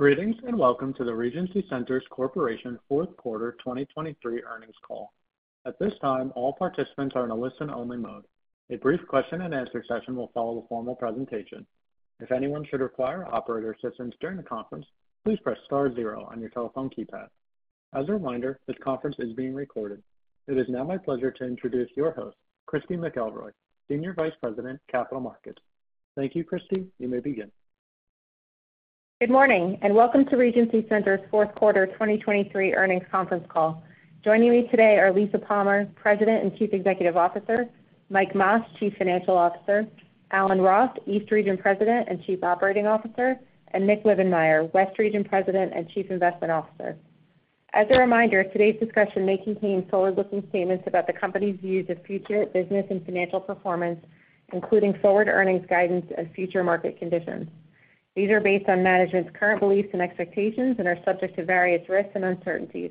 Greetings and welcome to the Regency Centers Corporation fourth quarter 2023 earnings call. At this time, all participants are in a listen-only mode. A brief question-and-answer session will follow the formal presentation. If anyone should require operator assistance during the conference, please press star zero on your telephone keypad. As a reminder, this conference is being recorded. It is now my pleasure to introduce your host, Christy McElroy, Senior Vice President, Capital Markets. Thank you, Christy. You may begin. Good morning and welcome to Regency Centers fourth quarter 2023 earnings conference call. Joining me today are Lisa Palmer, President and Chief Executive Officer; Mike Mas, Chief Financial Officer; Alan Roth, East Region President and Chief Operating Officer; and Nick Wibbenmeyer, West Region President and Chief Investment Officer. As a reminder, today's discussion may contain forward-looking statements about the company's views of future business and financial performance, including forward earnings guidance and future market conditions. These are based on management's current beliefs and expectations and are subject to various risks and uncertainties.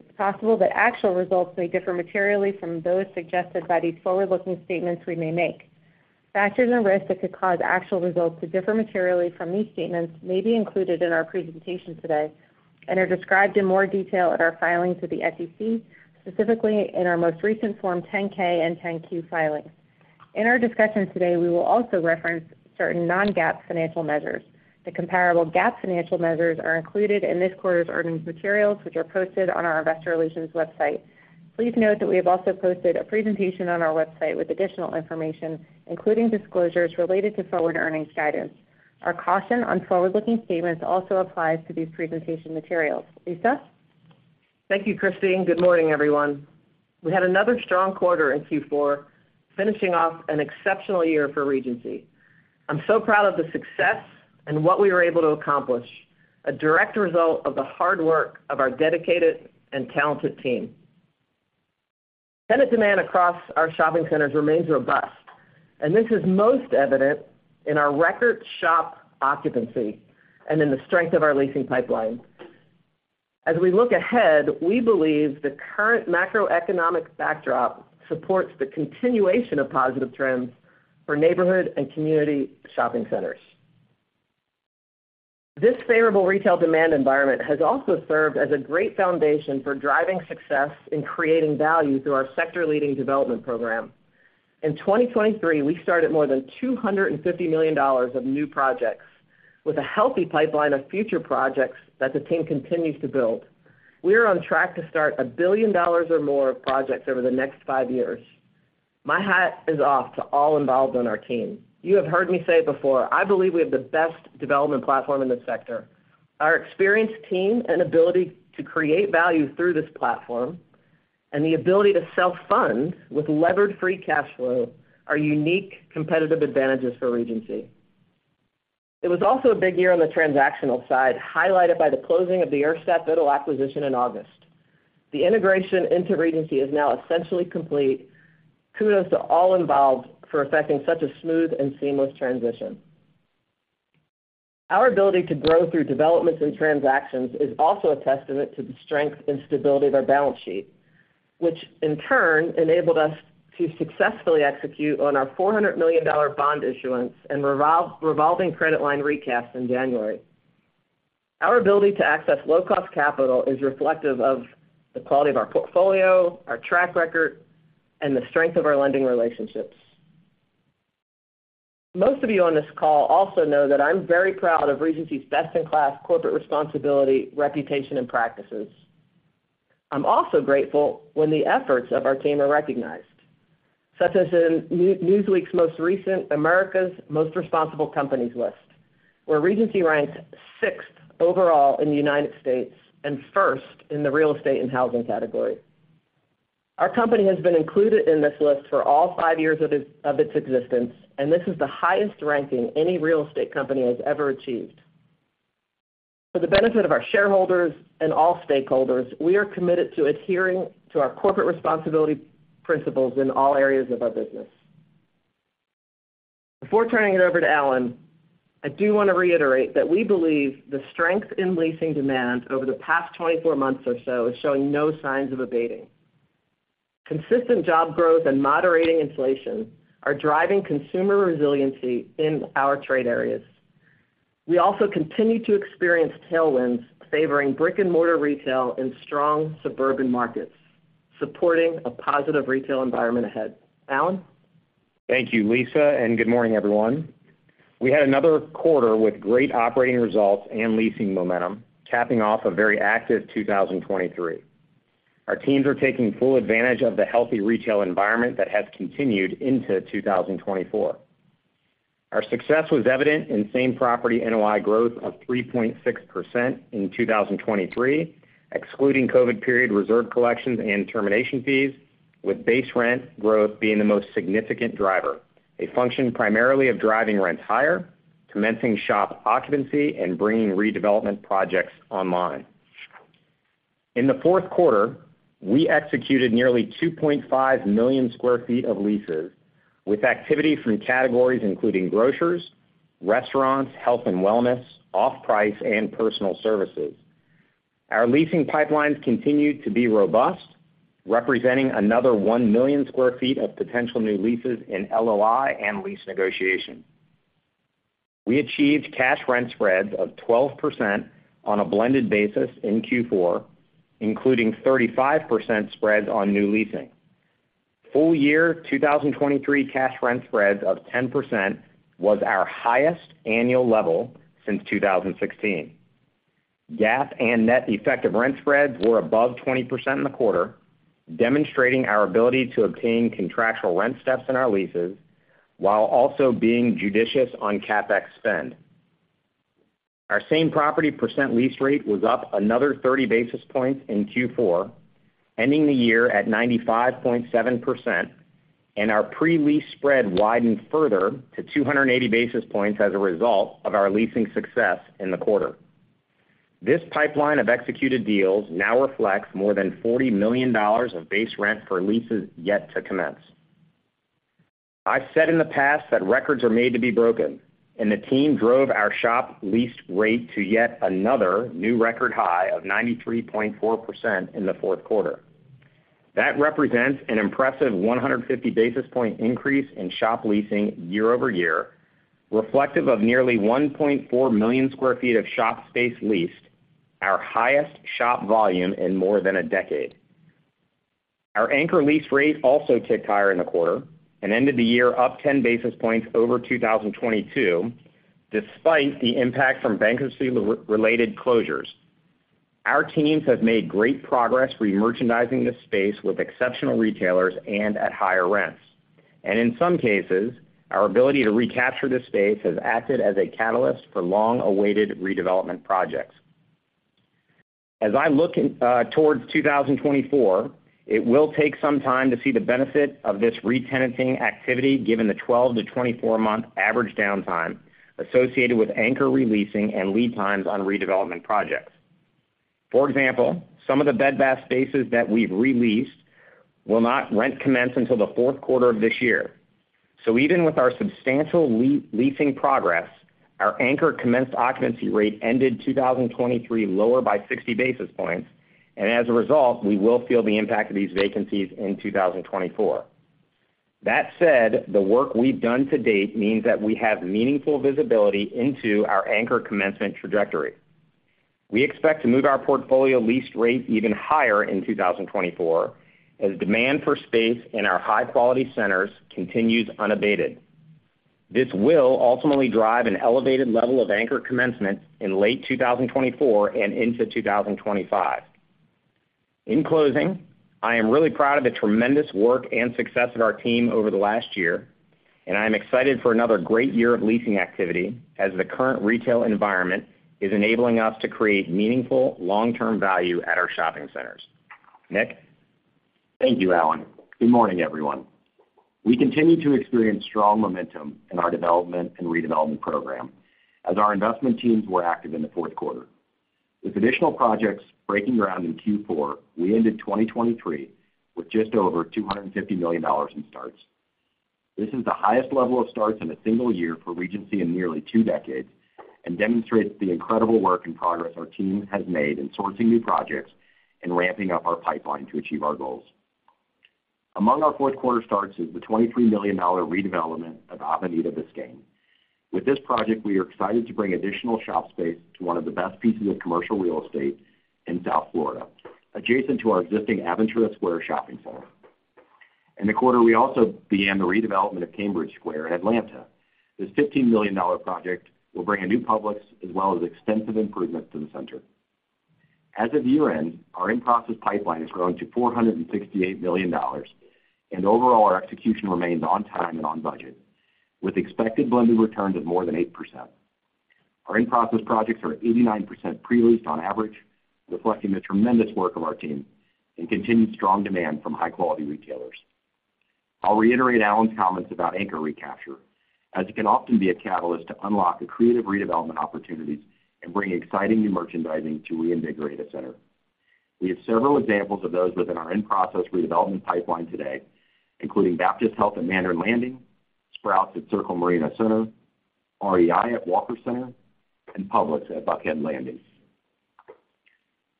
It's possible that actual results may differ materially from those suggested by these forward-looking statements we may make. Factors and risks that could cause actual results to differ materially from these statements may be included in our presentation today and are described in more detail in our filings to the SEC, specifically in our most recent Form 10-K and 10-Q filings. In our discussion today, we will also reference certain non-GAAP financial measures. The comparable GAAP financial measures are included in this quarter's earnings materials, which are posted on our Investor Relations website. Please note that we have also posted a presentation on our website with additional information, including disclosures related to forward earnings guidance. Our caution on forward-looking statements also applies to these presentation materials. Lisa? Thank you, Christy. Good morning, everyone. We had another strong quarter in Q4, finishing off an exceptional year for Regency. I'm so proud of the success and what we were able to accomplish, a direct result of the hard work of our dedicated and talented team. Tenant demand across our shopping centers remains robust, and this is most evident in our record shop occupancy and in the strength of our leasing pipeline. As we look ahead, we believe the current macroeconomic backdrop supports the continuation of positive trends for neighborhood and community shopping centers. This favorable retail demand environment has also served as a great foundation for driving success in creating value through our sector-leading development program. In 2023, we started more than $250 million of new projects, with a healthy pipeline of future projects that the team continues to build. We are on track to start $1 billion or more of projects over the next five years. My hat is off to all involved on our team. You have heard me say it before. I believe we have the best development platform in the sector. Our experienced team and ability to create value through this platform, and the ability to self-fund with levered free cash flow, are unique competitive advantages for Regency. It was also a big year on the transactional side, highlighted by the closing of the Urstadt Biddle acquisition in August. The integration into Regency is now essentially complete. Kudos to all involved for affecting such a smooth and seamless transition. Our ability to grow through developments and transactions is also a testament to the strength and stability of our balance sheet, which in turn enabled us to successfully execute on our $400 million bond issuance and revolving credit line recast in January. Our ability to access low-cost capital is reflective of the quality of our portfolio, our track record, and the strength of our lending relationships. Most of you on this call also know that I'm very proud of Regency's best-in-class corporate responsibility, reputation, and practices. I'm also grateful when the efforts of our team are recognized, such as in Newsweek's most recent America's Most Responsible Companies list, where Regency ranks sixth overall in the United States and first in the real estate and housing category. Our company has been included in this list for all five years of its existence, and this is the highest ranking any real estate company has ever achieved. For the benefit of our shareholders and all stakeholders, we are committed to adhering to our corporate responsibility principles in all areas of our business. Before turning it over to Alan, I do want to reiterate that we believe the strength in leasing demand over the past 24 months or so is showing no signs of abating. Consistent job growth and moderating inflation are driving consumer resiliency in our trade areas. We also continue to experience tailwinds favoring brick-and-mortar retail in strong suburban markets, supporting a positive retail environment ahead. Alan? Thank you, Lisa, and good morning, everyone. We had another quarter with great operating results and leasing momentum, capping off a very active 2023. Our teams are taking full advantage of the healthy retail environment that has continued into 2024. Our success was evident in Same-Property NOI growth of 3.6% in 2023, excluding COVID period reserve collections and termination fees, with base rent growth being the most significant driver, a function primarily of driving rents higher, commencing shop occupancy, and bringing redevelopment projects online. In the fourth quarter, we executed nearly 2.5 million sq ft of leases, with activity from categories including groceries, restaurants, health and wellness, off-price, and personal services. Our leasing pipelines continued to be robust, representing another 1 million sq ft of potential new leases in LOI and lease negotiation. We achieved cash rent spreads of 12% on a blended basis in Q4, including 35% spreads on new leasing. Full-year 2023 cash rent spreads of 10% was our highest annual level since 2016. GAAP and net effective rent spreads were above 20% in the quarter, demonstrating our ability to obtain contractual rent steps in our leases while also being judicious on CapEx spend. Our same-property percent lease rate was up another 30 basis points in Q4, ending the year at 95.7%, and our pre-lease spread widened further to 280 basis points as a result of our leasing success in the quarter. This pipeline of executed deals now reflects more than $40 million of base rent for leases yet to commence. I've said in the past that records are made to be broken, and the team drove our shop leased rate to yet another new record high of 93.4% in the fourth quarter. That represents an impressive 150 basis points increase in shop leasing year-over-year, reflective of nearly 1.4 million sq ft of shop space leased, our highest shop volume in more than a decade. Our anchor lease rate also ticked higher in the quarter and ended the year up 10 basis points over 2022, despite the impact from bankruptcy-related closures. Our teams have made great progress remerchandising this space with exceptional retailers and at higher rents, and in some cases, our ability to recapture this space has acted as a catalyst for long-awaited redevelopment projects. As I look towards 2024, it will take some time to see the benefit of this re-tenanting activity given the 12-24-month average downtime associated with anchor releasing and lead times on redevelopment projects. For example, some of the Bed Bath & Beyond spaces that we've released will not rent commence until the fourth quarter of this year. So even with our substantial leasing progress, our anchor commenced occupancy rate ended 2023 lower by 60 basis points, and as a result, we will feel the impact of these vacancies in 2024. That said, the work we've done to date means that we have meaningful visibility into our anchor commencement trajectory. We expect to move our portfolio lease rate even higher in 2024 as demand for space in our high-quality centers continues unabated. This will ultimately drive an elevated level of anchor commencement in late 2024 and into 2025. In closing, I am really proud of the tremendous work and success of our team over the last year, and I am excited for another great year of leasing activity as the current retail environment is enabling us to create meaningful long-term value at our shopping centers. Nick? Thank you, Alan. Good morning, everyone. We continue to experience strong momentum in our development and redevelopment program as our investment teams were active in the fourth quarter. With additional projects breaking ground in Q4, we ended 2023 with just over $250 million in starts. This is the highest level of starts in a single year for Regency in nearly two decades and demonstrates the incredible work and progress our team has made in sourcing new projects and ramping up our pipeline to achieve our goals. Among our fourth quarter starts is the $23 million redevelopment of Avenida Biscayne. With this project, we are excited to bring additional shop space to one of the best pieces of commercial real estate in South Florida, adjacent to our existing Aventura Square shopping center. In the quarter, we also began the redevelopment of Cambridge Square in Atlanta. This $15 million project will bring a new Publix as well as extensive improvements to the center. As of year-end, our in-process pipeline has grown to $468 million, and overall, our execution remains on time and on budget, with expected blended returns of more than 8%. Our in-process projects are 89% pre-leased on average, reflecting the tremendous work of our team and continued strong demand from high-quality retailers. I'll reiterate Alan's comments about anchor recapture, as it can often be a catalyst to unlock creative redevelopment opportunities and bring exciting new merchandising to reinvigorate a center. We have several examples of those within our in-process redevelopment pipeline today, including Baptist Health at Mandarin Landing, Sprouts at Circle Marina Center, REI at Walker Center, and Publix at Buckhead Landing.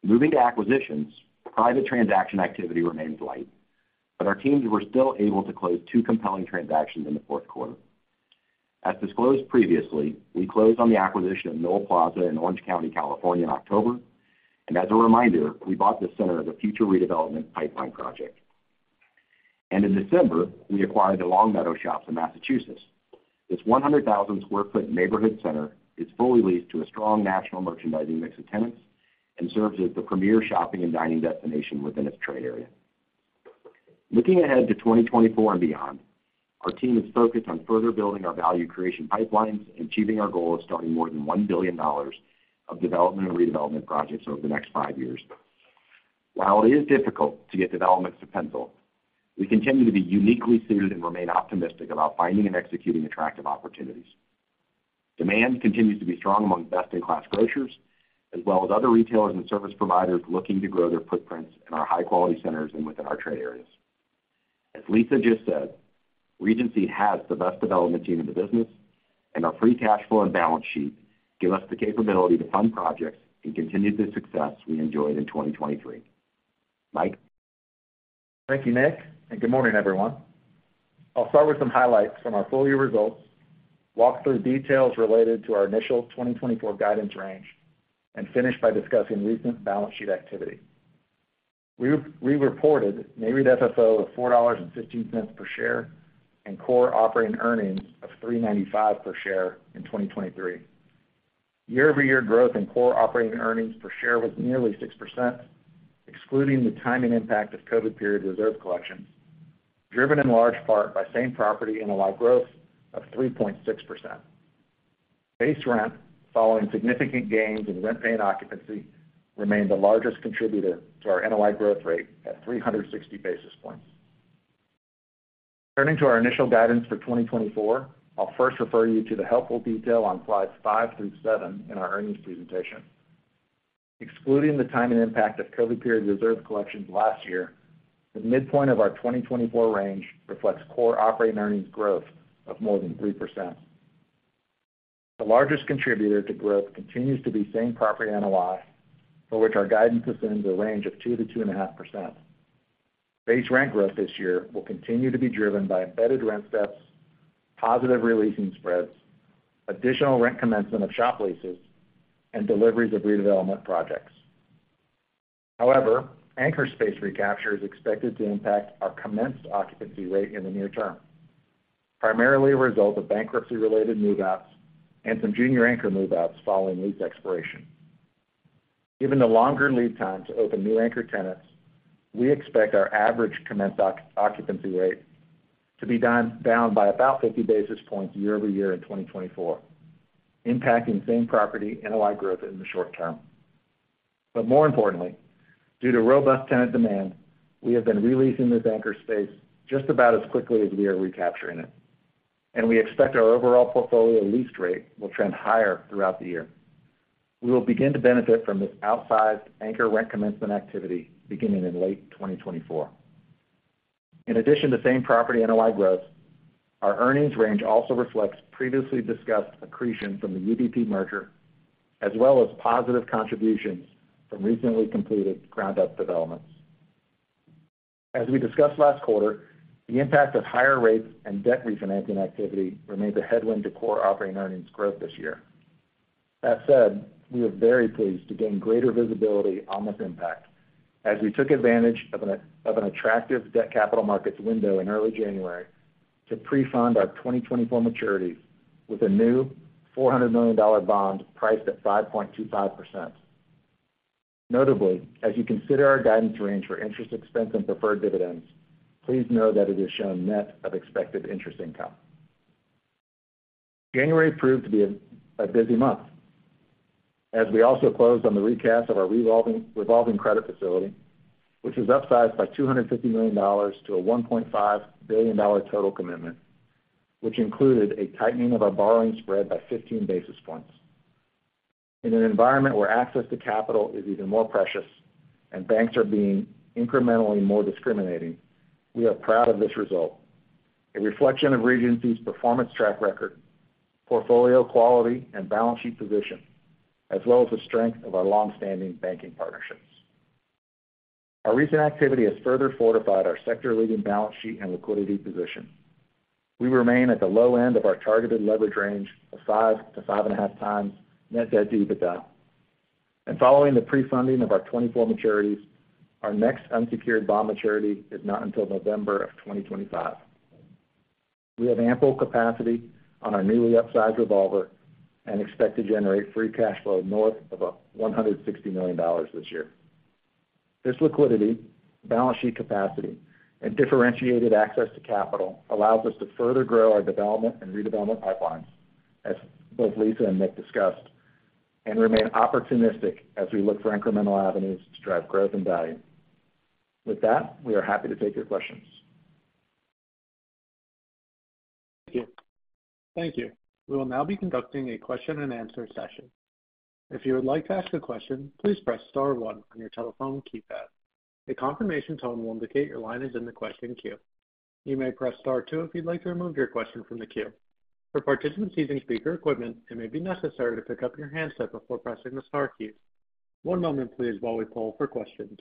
Moving to acquisitions, private transaction activity remains light, but our teams were still able to close two compelling transactions in the fourth quarter. As disclosed previously, we closed on the acquisition of Nohl Plaza in Orange County, California, in October, and as a reminder, we bought the center of a future redevelopment pipeline project. In December, we acquired the Longmeadow Shops in Massachusetts. This 100,000 sq ft neighborhood center is fully leased to a strong national merchandising mix of tenants and serves as the premier shopping and dining destination within its trade area. Looking ahead to 2024 and beyond, our team is focused on further building our value creation pipelines and achieving our goal of starting more than $1 billion of development and redevelopment projects over the next five years. While it is difficult to get developments to pencil, we continue to be uniquely suited and remain optimistic about finding and executing attractive opportunities. Demand continues to be strong among best-in-class groceries as well as other retailers and service providers looking to grow their footprints in our high-quality centers and within our trade areas. As Lisa just said, Regency has the best development team in the business, and our free cash flow and balance sheet give us the capability to fund projects and continue the success we enjoyed in 2023. Mike? Thank you, Nick, and good morning, everyone. I'll start with some highlights from our full-year results, walk through details related to our initial 2024 guidance range, and finish by discussing recent balance sheet activity. We reported NAREIT FFO of $4.15 per share and Core Operating Earnings of $3.95 per share in 2023. Year-over-year growth in Core Operating Earnings per share was nearly 6%, excluding the timing impact of COVID period reserve collections, driven in large part by same-property NOI growth of 3.6%. Base rent, following significant gains in rent-paying occupancy, remained the largest contributor to our NOI growth rate at 360 basis points. Turning to our initial guidance for 2024, I'll first refer you to the helpful detail on slides 5 through 7 in our earnings presentation. Excluding the timing impact of COVID period reserve collections last year, the midpoint of our 2024 range reflects Core Operating Earnings growth of more than 3%. The largest contributor to growth continues to be same-property NOI, for which our guidance assumes a range of 2%-2.5%. Base rent growth this year will continue to be driven by embedded rent steps, positive releasing spreads, additional rent commencement of shop leases, and deliveries of redevelopment projects. However, anchor space recapture is expected to impact our commenced occupancy rate in the near term, primarily a result of bankruptcy-related move-outs and some junior anchor move-outs following lease expiration. Given the longer lead time to open new anchor tenants, we expect our average commenced occupancy rate to be down by about 50 basis points year-over-year in 2024, impacting same-property NOI growth in the short term. But more importantly, due to robust tenant demand, we have been releasing this anchor space just about as quickly as we are recapturing it, and we expect our overall portfolio lease rate will trend higher throughout the year. We will begin to benefit from this outsized anchor rent commencement activity beginning in late 2024. In addition to same-property NOI growth, our earnings range also reflects previously discussed accretion from the UBP merger as well as positive contributions from recently completed ground-up developments. As we discussed last quarter, the impact of higher rates and debt refinancing activity remains a headwind to Core Operating Earnings growth this year. That said, we are very pleased to gain greater visibility on this impact as we took advantage of an attractive debt capital markets window in early January to pre-fund our 2024 maturities with a new $400 million bond priced at 5.25%. Notably, as you consider our guidance range for interest expense and preferred dividends, please know that it is shown net of expected interest income. January proved to be a busy month as we also closed on the recast of our revolving credit facility, which was upsized by $250 million to a $1.5 billion total commitment, which included a tightening of our borrowing spread by 15 basis points. In an environment where access to capital is even more precious and banks are being incrementally more discriminating, we are proud of this result, a reflection of Regency's performance track record, portfolio quality, and balance sheet position, as well as the strength of our longstanding banking partnerships. Our recent activity has further fortified our sector-leading balance sheet and liquidity position. We remain at the low end of our targeted leverage range of 5-5.5x net debt EBITDA. Following the pre-funding of our 2024 maturities, our next unsecured bond maturity is not until November of 2025. We have ample capacity on our newly upsized revolver and expect to generate free cash flow north of $160 million this year. This liquidity, balance sheet capacity, and differentiated access to capital allows us to further grow our development and redevelopment pipelines, as both Lisa and Nick discussed, and remain opportunistic as we look for incremental avenues to drive growth and value. With that, we are happy to take your questions. Thank you. Thank you. We will now be conducting a question-and-answer session. If you would like to ask a question, please press star one on your telephone keypad. A confirmation tone will indicate your line is in the question queue. You may press star two if you'd like to remove your question from the queue. For participants using speaker equipment, it may be necessary to pick up your handset before pressing the star keys. One moment, please, while we pull for questions.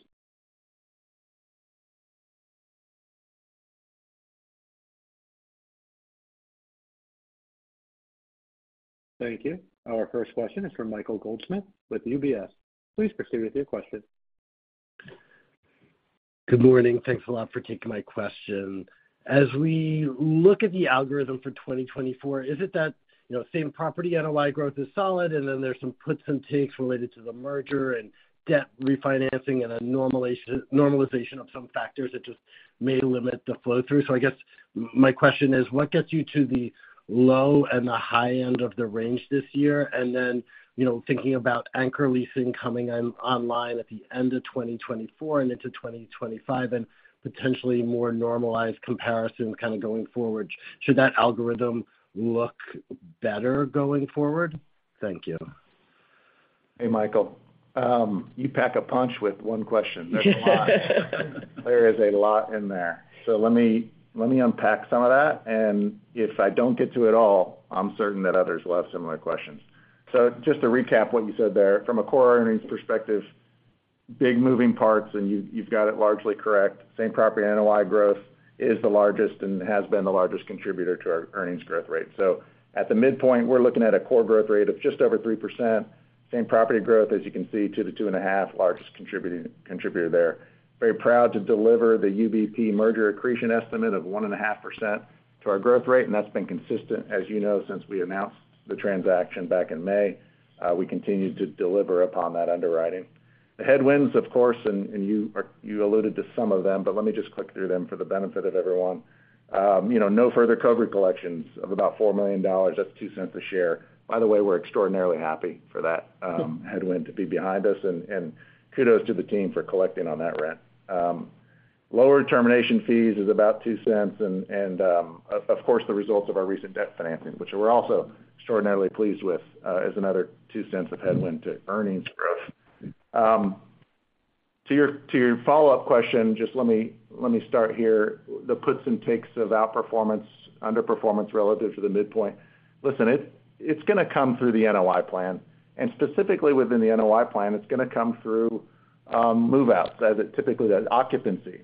Thank you. Our first question is from Michael Goldsmith with UBS. Please proceed with your question. Good morning. Thanks a lot for taking my question. As we look at the algorithm for 2024, is it that same-property NOI growth is solid, and then there's some puts and takes related to the merger and debt refinancing and a normalization of some factors that just may limit the flow through? So I guess my question is, what gets you to the low and the high end of the range this year? And then thinking about anchor leasing coming online at the end of 2024 and into 2025 and potentially more normalized comparisons kind of going forward, should that algorithm look better going forward? Thank you. Hey, Michael. You pack a punch with one question. There's a lot. There is a lot in there. So let me unpack some of that, and if I don't get to it all, I'm certain that others will have similar questions. So just to recap what you said there, from a core earnings perspective, big moving parts, and you've got it largely correct. Same-Property NOI growth is the largest and has been the largest contributor to our earnings growth rate. So at the midpoint, we're looking at a core growth rate of just over 3%. Same-Property growth, as you can see, 2%-2.5%, largest contributor there. Very proud to deliver the UBP merger accretion estimate of 1.5% to our growth rate, and that's been consistent, as you know, since we announced the transaction back in May. We continue to deliver upon that underwriting. The headwinds, of course, and you alluded to some of them, but let me just click through them for the benefit of everyone. No further COVID collections of about $4 million. That's $0.02 a share. By the way, we're extraordinarily happy for that headwind to be behind us, and kudos to the team for collecting on that rent. Lower termination fees is about $0.02, and of course, the results of our recent debt financing, which we're also extraordinarily pleased with, is another $0.02 of headwind to earnings growth. To your follow-up question, just let me start here. The puts and takes of outperformance, underperformance relative to the midpoint, listen, it's going to come through the NOI plan. Specifically within the NOI plan, it's going to come through move-outs, typically that occupancy.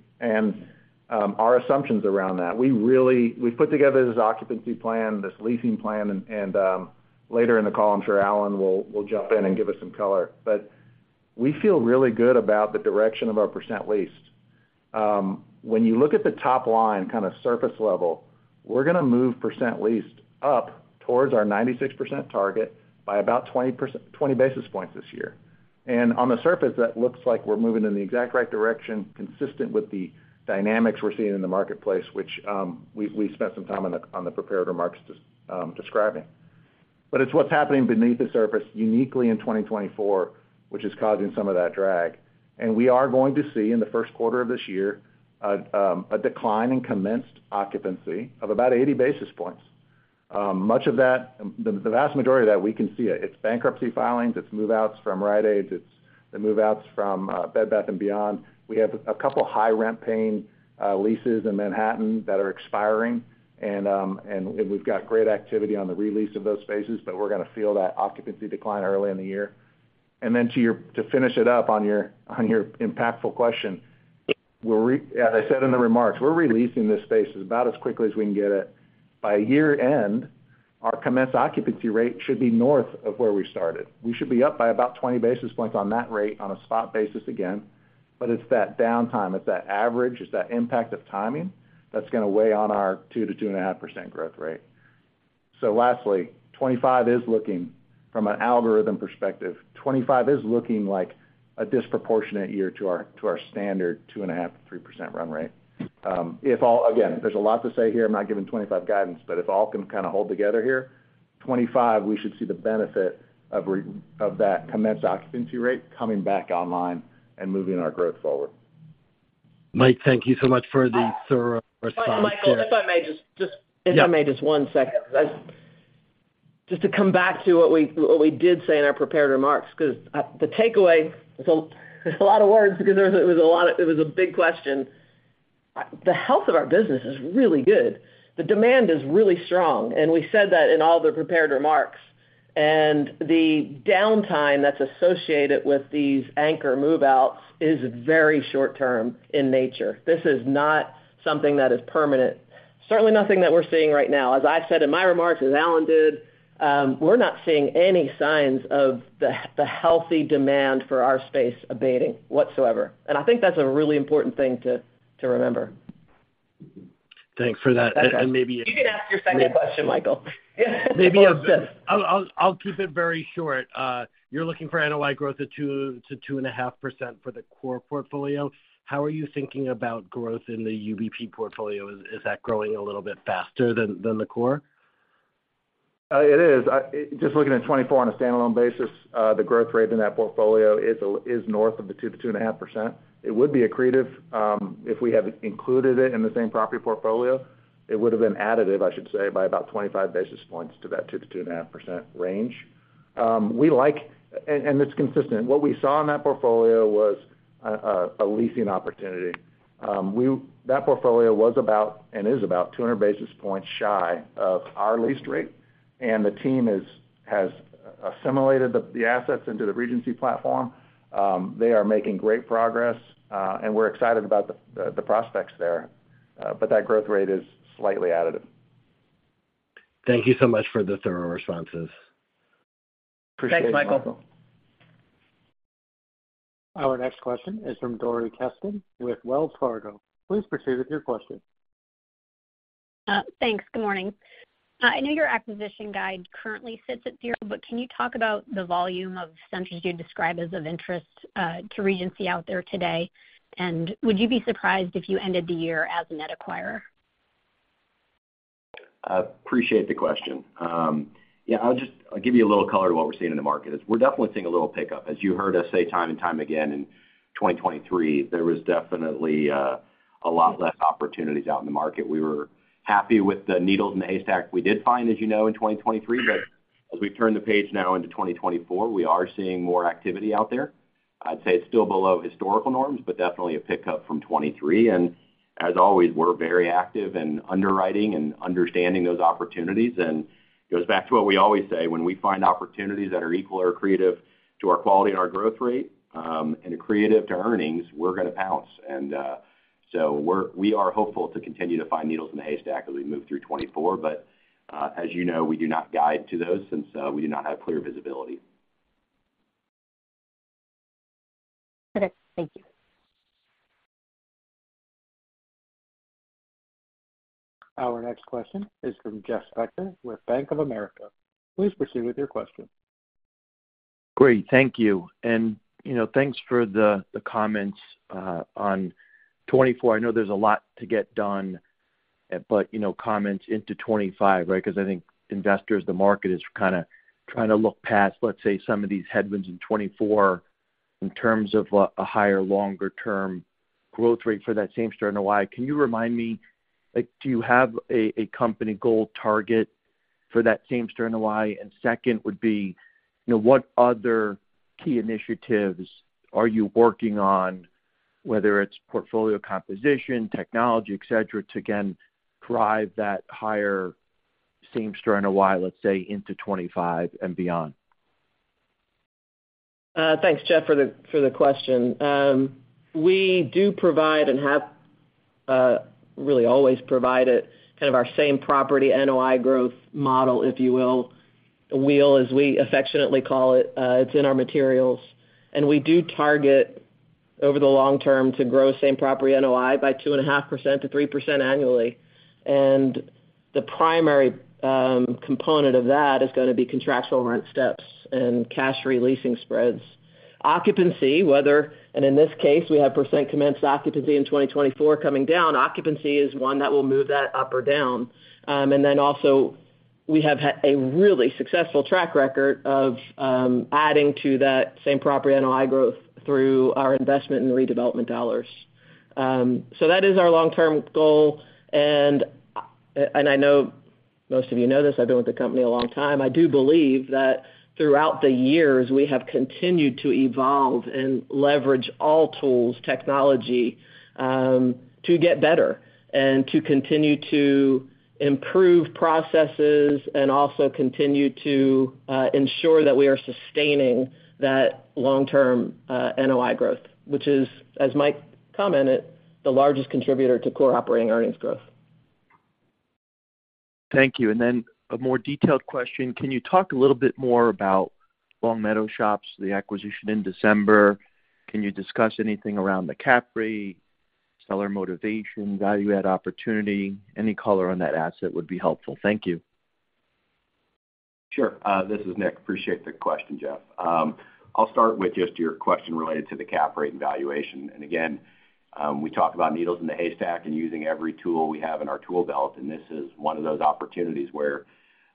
Our assumptions around that, we've put together this occupancy plan, this leasing plan, and later in the call, I'm sure Alan will jump in and give us some color. We feel really good about the direction of our percent leased. When you look at the top line, kind of surface level, we're going to move percent leased up towards our 96% target by about 20 basis points this year. On the surface, that looks like we're moving in the exact right direction, consistent with the dynamics we're seeing in the marketplace, which we spent some time on the prepared remarks describing. It's what's happening beneath the surface, uniquely in 2024, which is causing some of that drag. We are going to see in the first quarter of this year a decline in commenced occupancy of about 80 basis points. Much of that, the vast majority of that, we can see it. It's bankruptcy filings. It's move-outs from Rite Aids. It's the move-outs from Bed Bath & Beyond. We have a couple of high-rent-paying leases in Manhattan that are expiring, and we've got great activity on the release of those spaces, but we're going to feel that occupancy decline early in the year. And then to finish it up on your impactful question, as I said in the remarks, we're releasing this space about as quickly as we can get it. By year-end, our commenced occupancy rate should be north of where we started. We should be up by about 20 basis points on that rate on a spot basis again. But it's that downtime. It's that average. It's that impact of timing that's going to weigh on our 2%-2.5% growth rate. So lastly, 2025 is looking, from an algorithm perspective, 2025 is looking like a disproportionate year to our standard 2.5%, 3% run rate. Again, there's a lot to say here. I'm not giving 2025 guidance, but if all can kind of hold together here, 2025, we should see the benefit of that commenced occupancy rate coming back online and moving our growth forward. Mike, thank you so much for the thorough response. Michael, if I may, just one second, to come back to what we did say in our prepared remarks, because the takeaway is a lot of words, because it was a lot, it was a big question. The health of our business is really good. The demand is really strong, and we said that in all the prepared remarks. And the downtime that's associated with these anchor move-outs is very short-term in nature. This is not something that is permanent, certainly nothing that we're seeing right now. As I said in my remarks, as Alan did, we're not seeing any signs of the healthy demand for our space abating whatsoever. And I think that's a really important thing to remember. Thanks for that. And maybe- You can ask your second question, Michael. Maybe I'll keep it very short. You're looking for NOI growth of 2%-2.5% for the core portfolio. How are you thinking about growth in the UBP portfolio? Is that growing a little bit faster than the core? It is. Just looking at 2024 on a standalone basis, the growth rate in that portfolio is north of the 2%-2.5%. It would be accretive if we had included it in the same-property portfolio. It would have been additive, I should say, by about 25 basis points to that 2%-2.5% range. And it's consistent. What we saw in that portfolio was a leasing opportunity. That portfolio was about and is about 200 basis points shy of our lease rate, and the team has assimilated the assets into the Regency platform. They are making great progress, and we're excited about the prospects there. But that growth rate is slightly additive. Thank you so much for the thorough responses. Appreciate it. Thanks, Michael. Our next question is from Dori Kesten with Wells Fargo. Please proceed with your question. Thanks. Good morning. I know your acquisition guide currently sits at zero, but can you talk about the volume of centers you describe as of interest to Regency out there today? And would you be surprised if you ended the year as a net acquirer? I appreciate the question. Yeah, I'll give you a little color to what we're seeing in the market. We're definitely seeing a little pickup. As you heard us say time and time again in 2023, there was definitely a lot less opportunities out in the market. We were happy with the needles and the haystack we did find, as you know, in 2023. But as we've turned the page now into 2024, we are seeing more activity out there. I'd say it's still below historical norms, but definitely a pickup from 2023. And as always, we're very active in underwriting and understanding those opportunities. And it goes back to what we always say. When we find opportunities that are equal or accretive to our quality and our growth rate and accretive to earnings, we're going to pounce. And so we are hopeful to continue to find needles in the haystack as we move through 2024. But as you know, we do not guide to those since we do not have clear visibility. Okay. Thank you. Our next question is from Jeff Spector with Bank of America. Please proceed with your question. Great. Thank you. And thanks for the comments on 2024. I know there's a lot to get done, but comments into 2025, right? Because I think investors, the market is kind of trying to look past, let's say, some of these headwinds in 2024 in terms of a higher, longer-term growth rate for that same-property NOI. Can you remind me, do you have a company goal target for that same-property NOI? And second would be, what other key initiatives are you working on, whether it's portfolio composition, technology, etc., to again drive that higher same-property NOI, let's say, into 2025 and beyond? Thanks, Jeff, for the question. We do provide and have really always provided kind of our same-property NOI growth model, if you will, wheel, as we affectionately call it. It's in our materials. We do target over the long term to grow same-property NOI by 2.5%-3% annually. The primary component of that is going to be contractual rent steps and cash re-leasing spreads. Occupancy, whether and in this case, we have percent commenced occupancy in 2024 coming down. Occupancy is one that will move that up or down. Then also, we have a really successful track record of adding to that same-property NOI growth through our investment and redevelopment dollars. So that is our long-term goal. I know most of you know this. I've been with the company a long time. I do believe that throughout the years, we have continued to evolve and leverage all tools, technology, to get better and to continue to improve processes and also continue to ensure that we are sustaining that long-term NOI growth, which is, as Mike commented, the largest contributor to Core Operating Earnings growth. Thank you. And then a more detailed question. Can you talk a little bit more about Longmeadow Shops, the acquisition in December? Can you discuss anything around the cap rate, seller motivation, value-add opportunity? Any color on that asset would be helpful. Thank you. Sure. This is Nick. Appreciate the question, Jeff. I'll start with just your question related to the cap rate and valuation. And again, we talk about needles in the haystack and using every tool we have in our tool belt. And this is one of those opportunities where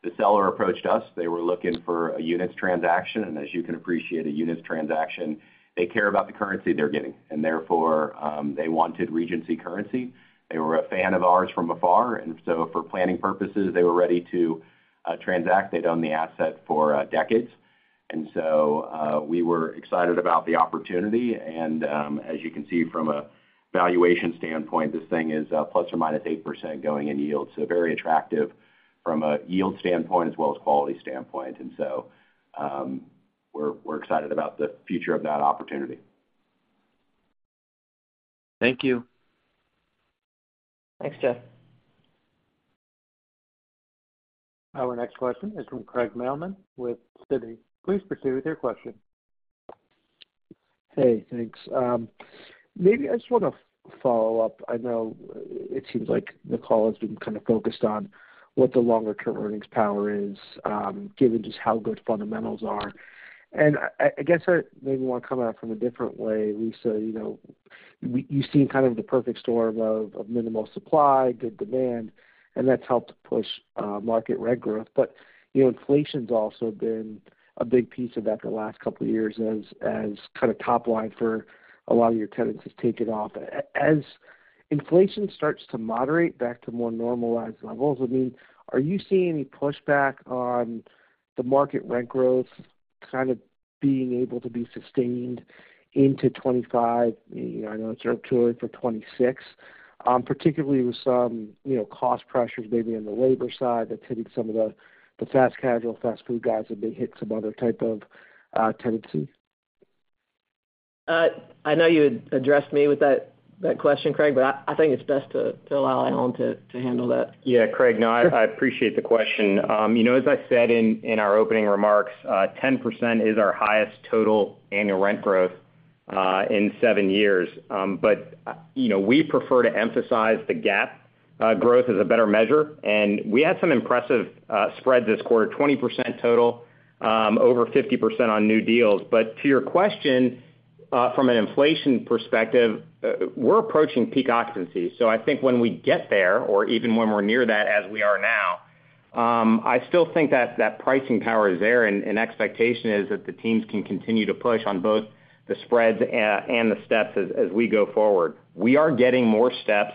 the seller approached us. They were looking for a units transaction. And as you can appreciate, a units transaction, they care about the currency they're getting. And therefore, they wanted Regency currency. They were a fan of ours from afar. And so for planning purposes, they were ready to transact. They'd own the asset for decades. And so we were excited about the opportunity. And as you can see from a valuation standpoint, this thing is ±8% going in yield. So very attractive from a yield standpoint as well as quality standpoint. We're excited about the future of that opportunity. Thank you. Thanks, Jeff. Our next question is from Craig Mailman with Citi. Please proceed with your question. Hey, thanks. Maybe I just want to follow up. I know it seems like the call has been kind of focused on what the longer-term earnings power is, given just how good fundamentals are. I guess I maybe want to come at it from a different way, Lisa. You've seen kind of the perfect storm of minimal supply, good demand, and that's helped push market rent growth. But inflation's also been a big piece of that the last couple of years as kind of top line for a lot of your tenants has taken off. As inflation starts to moderate back to more normalized levels, I mean, are you seeing any pushback on the market rent growth kind of being able to be sustained into 2025? I know it's up to or for 2026, particularly with some cost pressures maybe on the labor side that's hitting some of the fast casual, fast food guys that may hit some other type of tenancy? I know you addressed me with that question, Craig, but I think it's best to allow Alan to handle that. Yeah, Craig. No, I appreciate the question. As I said in our opening remarks, 10% is our highest total annual rent growth in 7 years. But we prefer to emphasize the GAAP growth as a better measure. And we had some impressive spreads this quarter, 20% total, over 50% on new deals. But to your question, from an inflation perspective, we're approaching peak occupancy. So I think when we get there or even when we're near that as we are now, I still think that pricing power is there. And expectation is that the teams can continue to push on both the spreads and the steps as we go forward. We are getting more steps.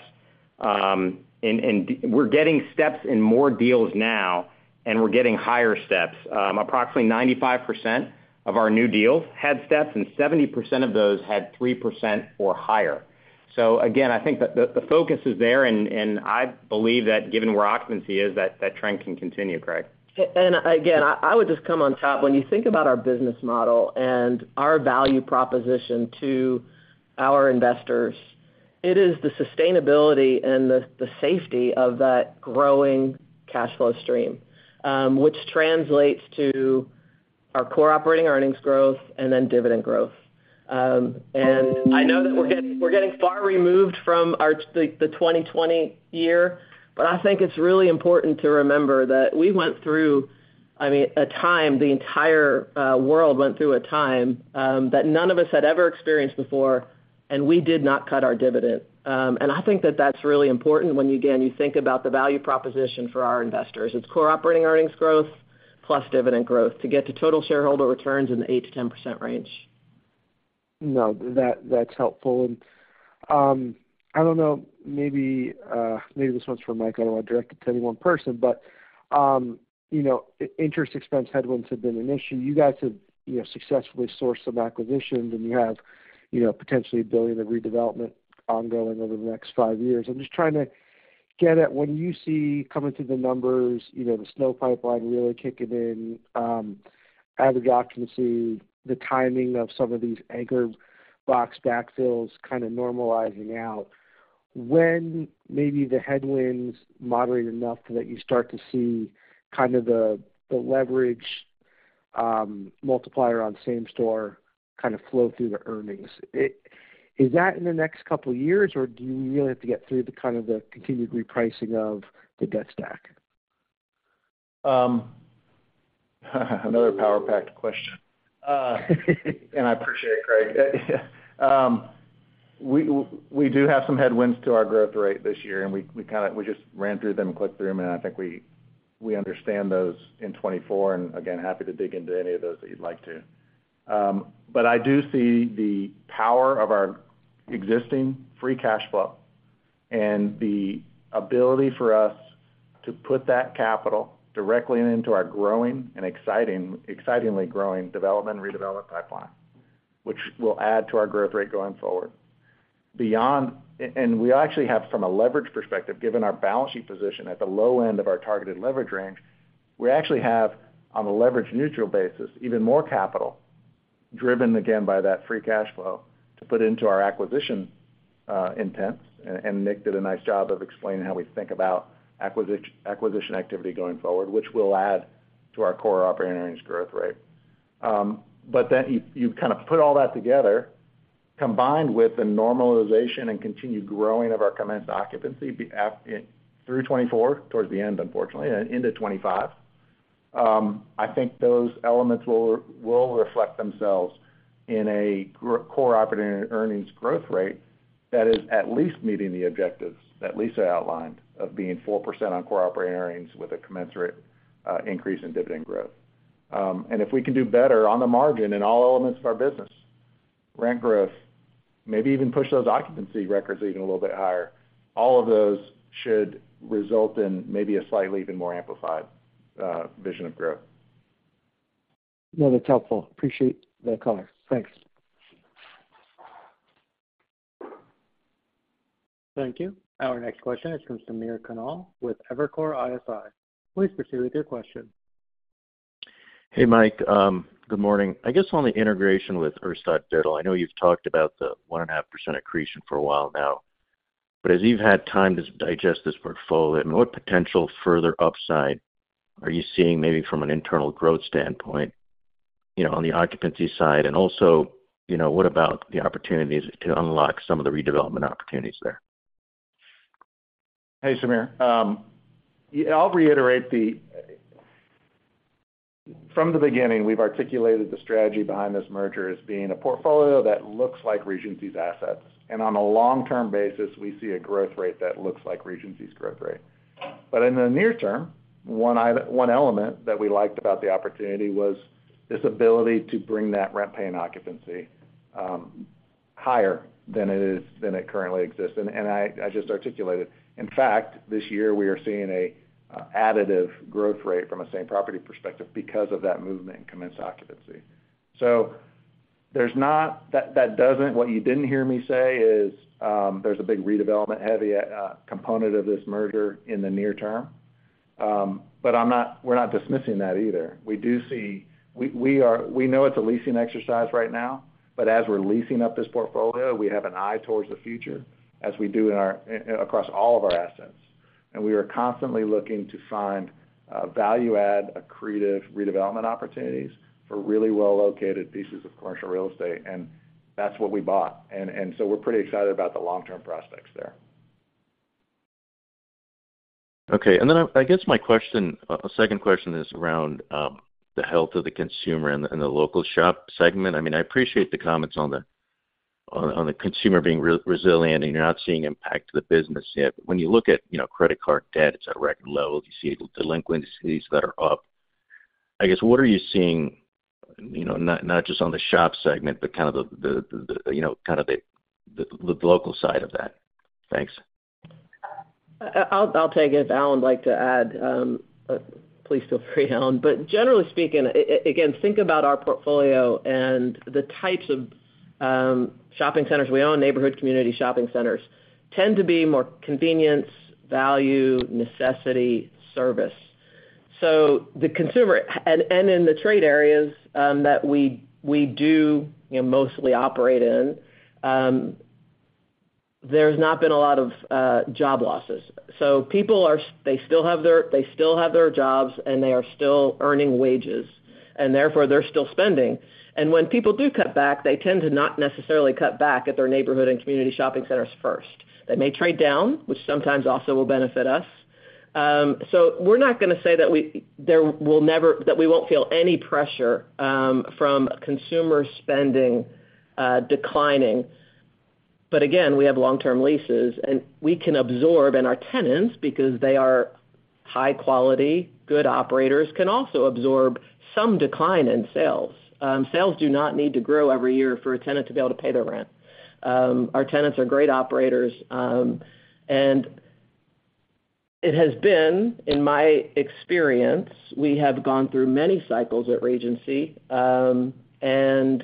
And we're getting steps in more deals now, and we're getting higher steps. Approximately 95% of our new deals had steps, and 70% of those had 3% or higher. Again, I think that the focus is there. I believe that given where occupancy is, that trend can continue, Craig. And again, I would just come on top. When you think about our business model and our value proposition to our investors, it is the sustainability and the safety of that growing cash flow stream, which translates to our Core Operating Earnings growth and then dividend growth. And I know that we're getting far removed from the 2020 year, but I think it's really important to remember that we went through, I mean, a time the entire world went through a time that none of us had ever experienced before, and we did not cut our dividend. And I think that that's really important when you, again, think about the value proposition for our investors. It's Core Operating Earnings growth plus dividend growth to get to total shareholder returns in the 8%-10% range. No, that's helpful. And I don't know. Maybe this one's for Mike. I don't want to direct it to any one person, but interest expense headwinds have been an issue. You guys have successfully sourced some acquisitions, and you have potentially $1 billion of redevelopment ongoing over the next five years. I'm just trying to get at when you see coming through the numbers, the NOI pipeline really kicking in, average occupancy, the timing of some of these anchor box backfills kind of normalizing out, when maybe the headwinds moderate enough that you start to see kind of the leverage multiplier on same-store kind of flow through the earnings. Is that in the next couple of years, or do we really have to get through kind of the continued repricing of the debt stack? Another power-packed question. I appreciate it, Craig. We do have some headwinds to our growth rate this year, and we just ran through them and clicked through them. I think we understand those in 2024. Again, happy to dig into any of those that you'd like to. But I do see the power of our existing free cash flow and the ability for us to put that capital directly into our growing and excitingly growing development and redevelopment pipeline, which will add to our growth rate going forward. We actually have, from a leverage perspective, given our balance sheet position at the low end of our targeted leverage range, we actually have, on a leverage-neutral basis, even more capital driven, again, by that free cash flow to put into our acquisition investments. Nick did a nice job of explaining how we think about acquisition activity going forward, which will add to our Core Operating Earnings growth rate. Then you kind of put all that together, combined with the normalization and continued growing of our commenced occupancy through 2024, towards the end, unfortunately, and into 2025. I think those elements will reflect themselves in a Core Operating Earnings growth rate that is at least meeting the objectives that Lisa outlined of being 4% on Core Operating Earnings with a commensurate increase in dividend growth. If we can do better on the margin in all elements of our business, rent growth, maybe even push those occupancy records even a little bit higher, all of those should result in maybe a slightly even more amplified vision of growth. No, that's helpful. Appreciate the color. Thanks. Thank you. Our next question has come from Samir Khanal with Evercore ISI. Please proceed with your question. Hey, Mike. Good morning. I guess on the integration with Urstadt Biddle, I know you've talked about the 1.5% accretion for a while now. But as you've had time to digest this portfolio, I mean, what potential further upside are you seeing maybe from an internal growth standpoint on the occupancy side? And also, what about the opportunities to unlock some of the redevelopment opportunities there? Hey, Samir. I'll reiterate from the beginning, we've articulated the strategy behind this merger as being a portfolio that looks like Regency's assets. And on a long-term basis, we see a growth rate that looks like Regency's growth rate. But in the near term, one element that we liked about the opportunity was this ability to bring that rent-paying occupancy higher than it currently exists. And I just articulated, in fact, this year, we are seeing an additive growth rate from a same-property perspective because of that movement in commenced occupancy. So, that doesn't. What you didn't hear me say is there's a big redevelopment-heavy component of this merger in the near term. But we're not dismissing that either. We know it's a leasing exercise right now. But as we're leasing up this portfolio, we have an eye towards the future as we do across all of our assets. We are constantly looking to find value-add accretive redevelopment opportunities for really well-located pieces of commercial real estate. That's what we bought. And so we're pretty excited about the long-term prospects there. Okay. And then I guess my second question is around the health of the consumer and the local shop segment. I mean, I appreciate the comments on the consumer being resilient and you're not seeing impact to the business yet. When you look at credit card debt, it's at record levels. You see delinquencies that are up. I guess, what are you seeing not just on the shop segment, but kind of the local side of that? Thanks. I'll take it if Alan would like to add. Please feel free, Alan. But generally speaking, again, think about our portfolio and the types of shopping centers we own, neighborhood community shopping centers, tend to be more convenience, value, necessity, service. So the consumer and in the trade areas that we do mostly operate in, there's not been a lot of job losses. So people, they still have their jobs, and they are still earning wages. And therefore, they're still spending. And when people do cut back, they tend to not necessarily cut back at their neighborhood and community shopping centers first. They may trade down, which sometimes also will benefit us. So we're not going to say that we will never, that we won't feel any pressure from consumer spending declining. But again, we have long-term leases, and we can absorb, and our tenants, because they are high-quality, good operators, can also absorb some decline in sales. Sales do not need to grow every year for a tenant to be able to pay their rent. Our tenants are great operators. And it has been, in my experience, we have gone through many cycles at Regency. And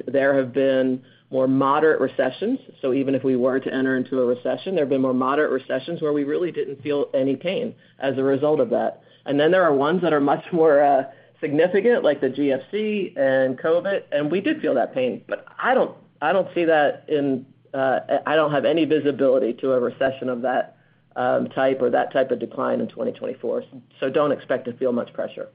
there have been more moderate recessions. So even if we were to enter into a recession, there have been more moderate recessions where we really didn't feel any pain as a result of that. And then there are ones that are much more significant, like the GFC and COVID. And we did feel that pain. But I don't see that. I don't have any visibility to a recession of that type or that type of decline in 2024. Don't expect to feel much pressure.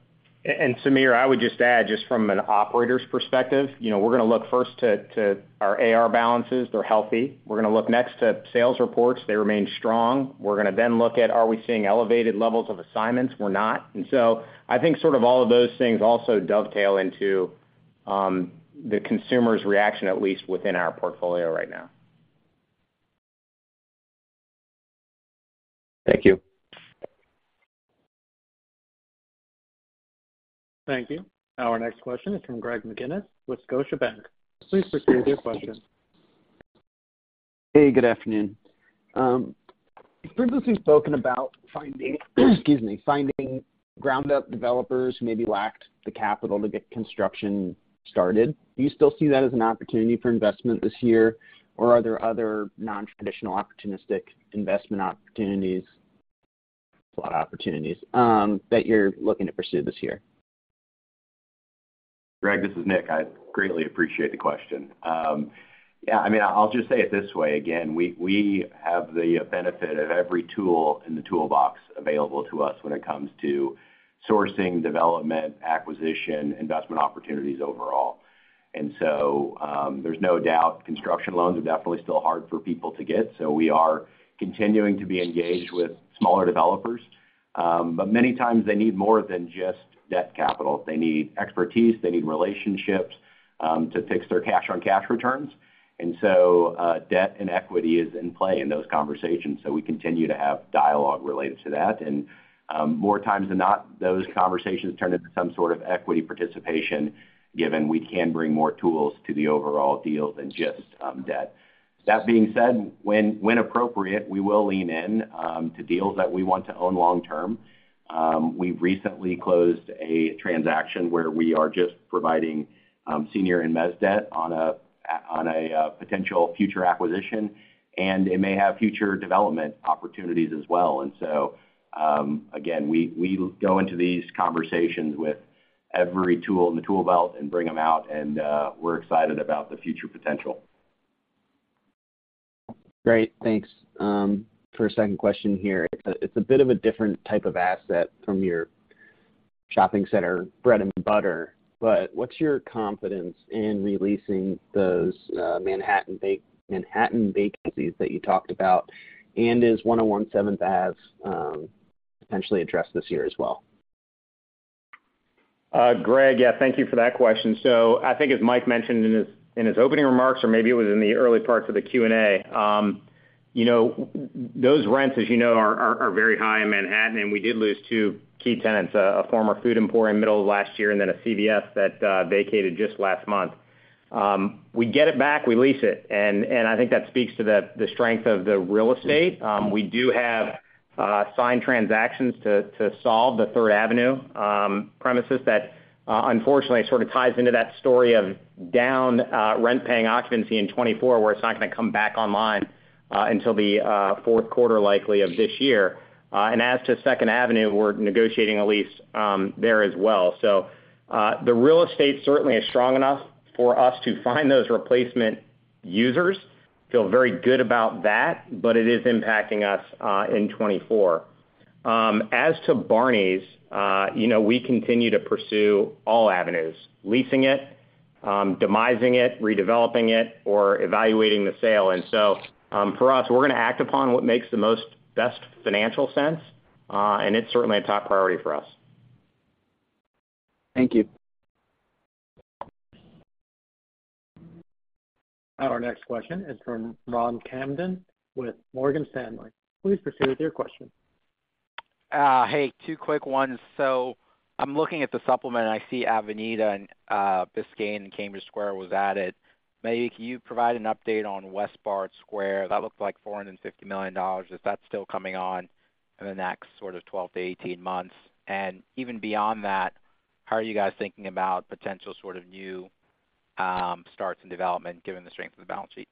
And Samir, I would just add, just from an operator's perspective, we're going to look first to our AR balances. They're healthy. We're going to look next to sales reports. They remain strong. We're going to then look at, are we seeing elevated levels of assignments? We're not. And so I think sort of all of those things also dovetail into the consumer's reaction, at least within our portfolio right now. Thank you. Thank you. Our next question is from Greg McGinnis with Scotiabank. Please proceed with your question. Hey, good afternoon. Previously spoken about finding ground-up developers who maybe lacked the capital to get construction started. Do you still see that as an opportunity for investment this year, or are there other non-traditional opportunistic investment opportunities, plot opportunities that you're looking to pursue this year? Greg, this is Nick. I greatly appreciate the question. Yeah, I mean, I'll just say it this way. Again, we have the benefit of every tool in the toolbox available to us when it comes to sourcing, development, acquisition, investment opportunities overall. And so there's no doubt construction loans are definitely still hard for people to get. So we are continuing to be engaged with smaller developers. But many times, they need more than just debt capital. They need expertise. They need relationships to fix their cash-on-cash returns. And so debt and equity is in play in those conversations. So we continue to have dialogue related to that. And more times than not, those conversations turn into some sort of equity participation, given we can bring more tools to the overall deal than just debt. That being said, when appropriate, we will lean in to deals that we want to own long-term. We've recently closed a transaction where we are just providing senior and mez debt on a potential future acquisition. And it may have future development opportunities as well. And so again, we go into these conversations with every tool in the toolbelt and bring them out. And we're excited about the future potential. Great. Thanks. For a second question here, it's a bit of a different type of asset from your shopping center bread and butter. But what's your confidence in releasing those Manhattan vacancies that you talked about? And is 101 7th Avenue potentially addressed this year as well? Greg, yeah, thank you for that question. So I think, as Mike mentioned in his opening remarks, or maybe it was in the early parts of the Q&A, those rents, as you know, are very high in Manhattan. And we did lose two key tenants, a former food employer in the middle of last year and then a CVS that vacated just last month. We get it back. We lease it. And I think that speaks to the strength of the real estate. We do have signed transactions to solve the Third Avenue premises that, unfortunately, sort of ties into that story of down rent-paying occupancy in 2024, where it's not going to come back online until the fourth quarter, likely, of this year. And as to Second Avenue, we're negotiating a lease there as well. The real estate certainly is strong enough for us to find those replacement users. Feel very good about that. It is impacting us in 2024. As to Barneys, we continue to pursue all avenues, leasing it, demising it, redeveloping it, or evaluating the sale. So for us, we're going to act upon what makes the most best financial sense. It's certainly a top priority for us. Thank you. Our next question is from Ron Kamdem with Morgan Stanley. Please proceed with your question. Hey, two quick ones. So I'm looking at the supplement. I see Avenida Biscayne and Cambridge Square was added. Maybe can you provide an update on Westbard Square? That looked like $450 million. Is that still coming on in the next sort of 12-18 months? And even beyond that, how are you guys thinking about potential sort of new starts and development, given the strength of the balance sheet?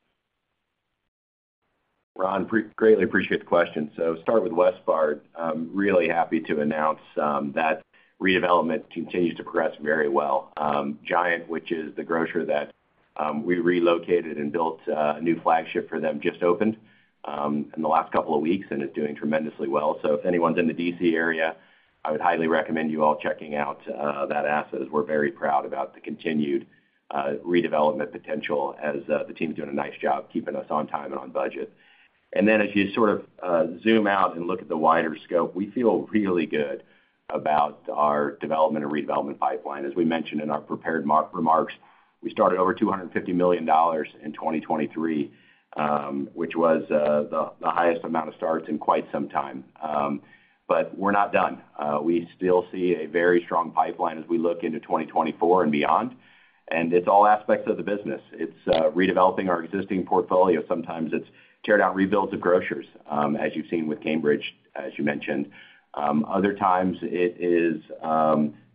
Ron, greatly appreciate the question. So start with Westbard. Really happy to announce that redevelopment continues to progress very well. Giant, which is the grocer that we relocated and built a new flagship for them, just opened in the last couple of weeks and is doing tremendously well. So if anyone's in the D.C. area, I would highly recommend you all checking out that asset. We're very proud about the continued redevelopment potential as the team's doing a nice job keeping us on time and on budget. And then as you sort of zoom out and look at the wider scope, we feel really good about our development and redevelopment pipeline. As we mentioned in our prepared remarks, we started over $250 million in 2023, which was the highest amount of starts in quite some time. But we're not done. We still see a very strong pipeline as we look into 2024 and beyond. It's all aspects of the business. It's redeveloping our existing portfolio. Sometimes it's tear-down rebuilds of groceries, as you've seen with Cambridge, as you mentioned. Other times, it is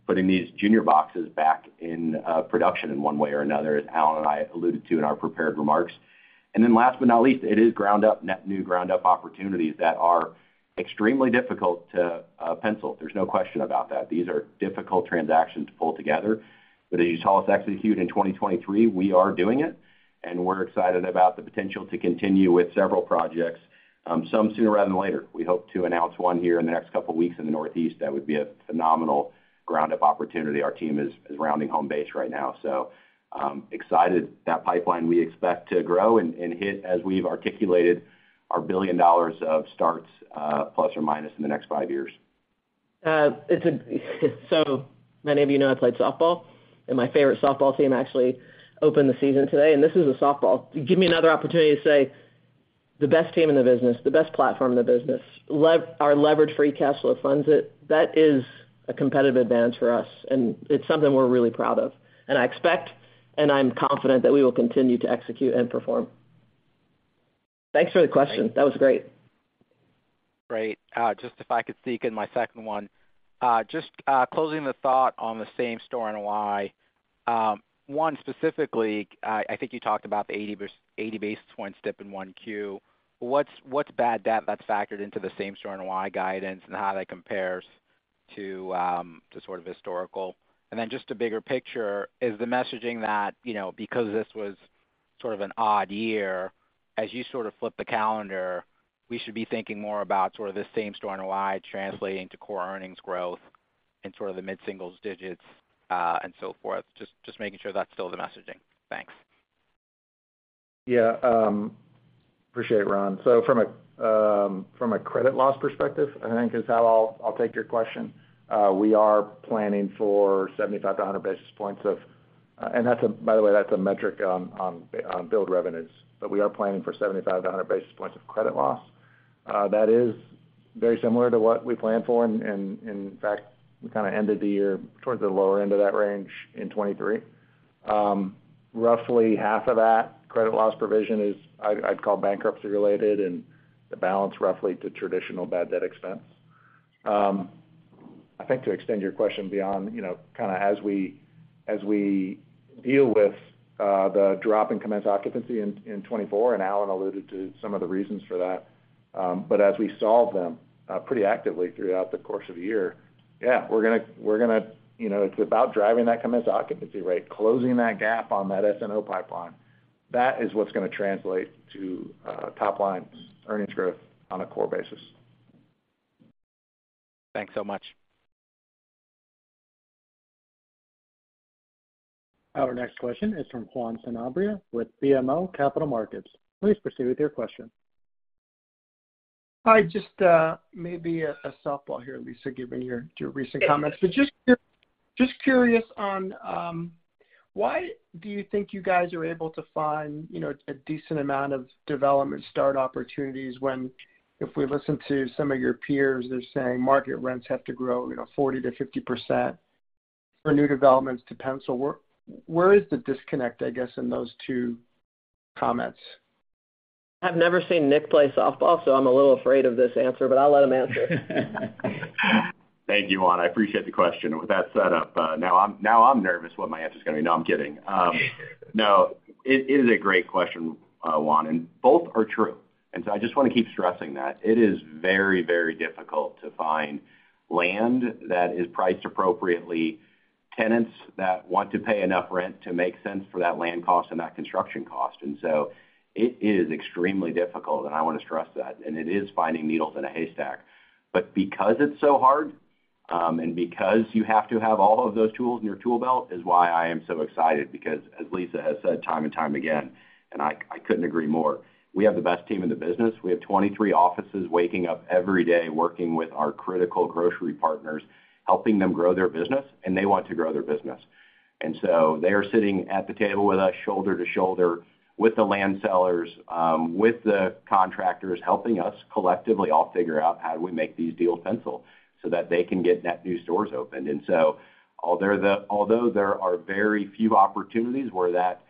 putting these junior boxes back in production in one way or another, as Alan and I alluded to in our prepared remarks. Then last but not least, it is ground-up net new ground-up opportunities that are extremely difficult to pencil. There's no question about that. These are difficult transactions to pull together. As you saw us execute in 2023, we are doing it. We're excited about the potential to continue with several projects, some sooner rather than later. We hope to announce one here in the next couple of weeks in the Northeast. That would be a phenomenal ground-up opportunity. Our team is rounding home base right now. So excited. That pipeline, we expect to grow and hit, as we've articulated, our $1 billion of starts ± in the next five years. So many of you know I played softball. My favorite softball team actually opened the season today. This is a softball. Give me another opportunity to say the best team in the business, the best platform in the business, our leveraged free cash flow funds it. That is a competitive advance for us. It's something we're really proud of. I expect and I'm confident that we will continue to execute and perform. Thanks for the question. That was great. Great. Just if I could sneak in my second one, just closing the thought on the same-store NOI. One, specifically, I think you talked about the 80 basis point step-up in NOI. What's bad debt that's factored into the same-store NOI guidance and how that compares to sort of historical? And then just a bigger picture, is the messaging that because this was sort of an odd year, as you sort of flip the calendar, we should be thinking more about sort of the same-store NOI translating to core earnings growth and sort of the mid-single digits and so forth? Just making sure that's still the messaging. Thanks. Yeah. Appreciate it, Ron. So from a credit loss perspective, I think, is how I'll take your question. We are planning for 75-100 basis points of and by the way, that's a metric on billed revenues. But we are planning for 75-100 basis points of credit loss. That is very similar to what we planned for. And in fact, we kind of ended the year towards the lower end of that range in 2023. Roughly half of that credit loss provision is, I'd call, bankruptcy-related and the balance roughly to traditional bad debt expense. I think to extend your question beyond, kind of as we deal with the drop in commenced occupancy in 2024, and Alan alluded to some of the reasons for that, but as we solve them pretty actively throughout the course of the year, yeah, we're going to it's about driving that commenced occupancy rate, closing that gap on that SNO pipeline. That is what's going to translate to top-line earnings growth on a core basis. Thanks so much. Our next question is from Juan Sanabria with BMO Capital Markets. Please proceed with your question. Hi. Just maybe a softball here, Lisa, given your recent comments. But just curious on why do you think you guys are able to find a decent amount of development start opportunities when, if we listen to some of your peers, they're saying market rents have to grow 40%-50% for new developments to pencil? Where is the disconnect, I guess, in those two comments? I've never seen Nick play softball, so I'm a little afraid of this answer. But I'll let him answer. Thank you, Juan. I appreciate the question. With that set up, now I'm nervous what my answer is going to be. No, I'm kidding. No, it is a great question, Juan. Both are true. So I just want to keep stressing that. It is very, very difficult to find land that is priced appropriately, tenants that want to pay enough rent to make sense for that land cost and that construction cost. So it is extremely difficult. I want to stress that. It is finding needles in a haystack. Because it's so hard and because you have to have all of those tools in your toolbelt is why I am so excited. Because, as Lisa has said time and time again, and I couldn't agree more, we have the best team in the business. We have 23 offices waking up every day working with our critical grocery partners, helping them grow their business. They want to grow their business. So they are sitting at the table with us shoulder to shoulder with the land sellers, with the contractors, helping us collectively all figure out how do we make these deals pencil so that they can get net new stores opened. So although there are very few opportunities where that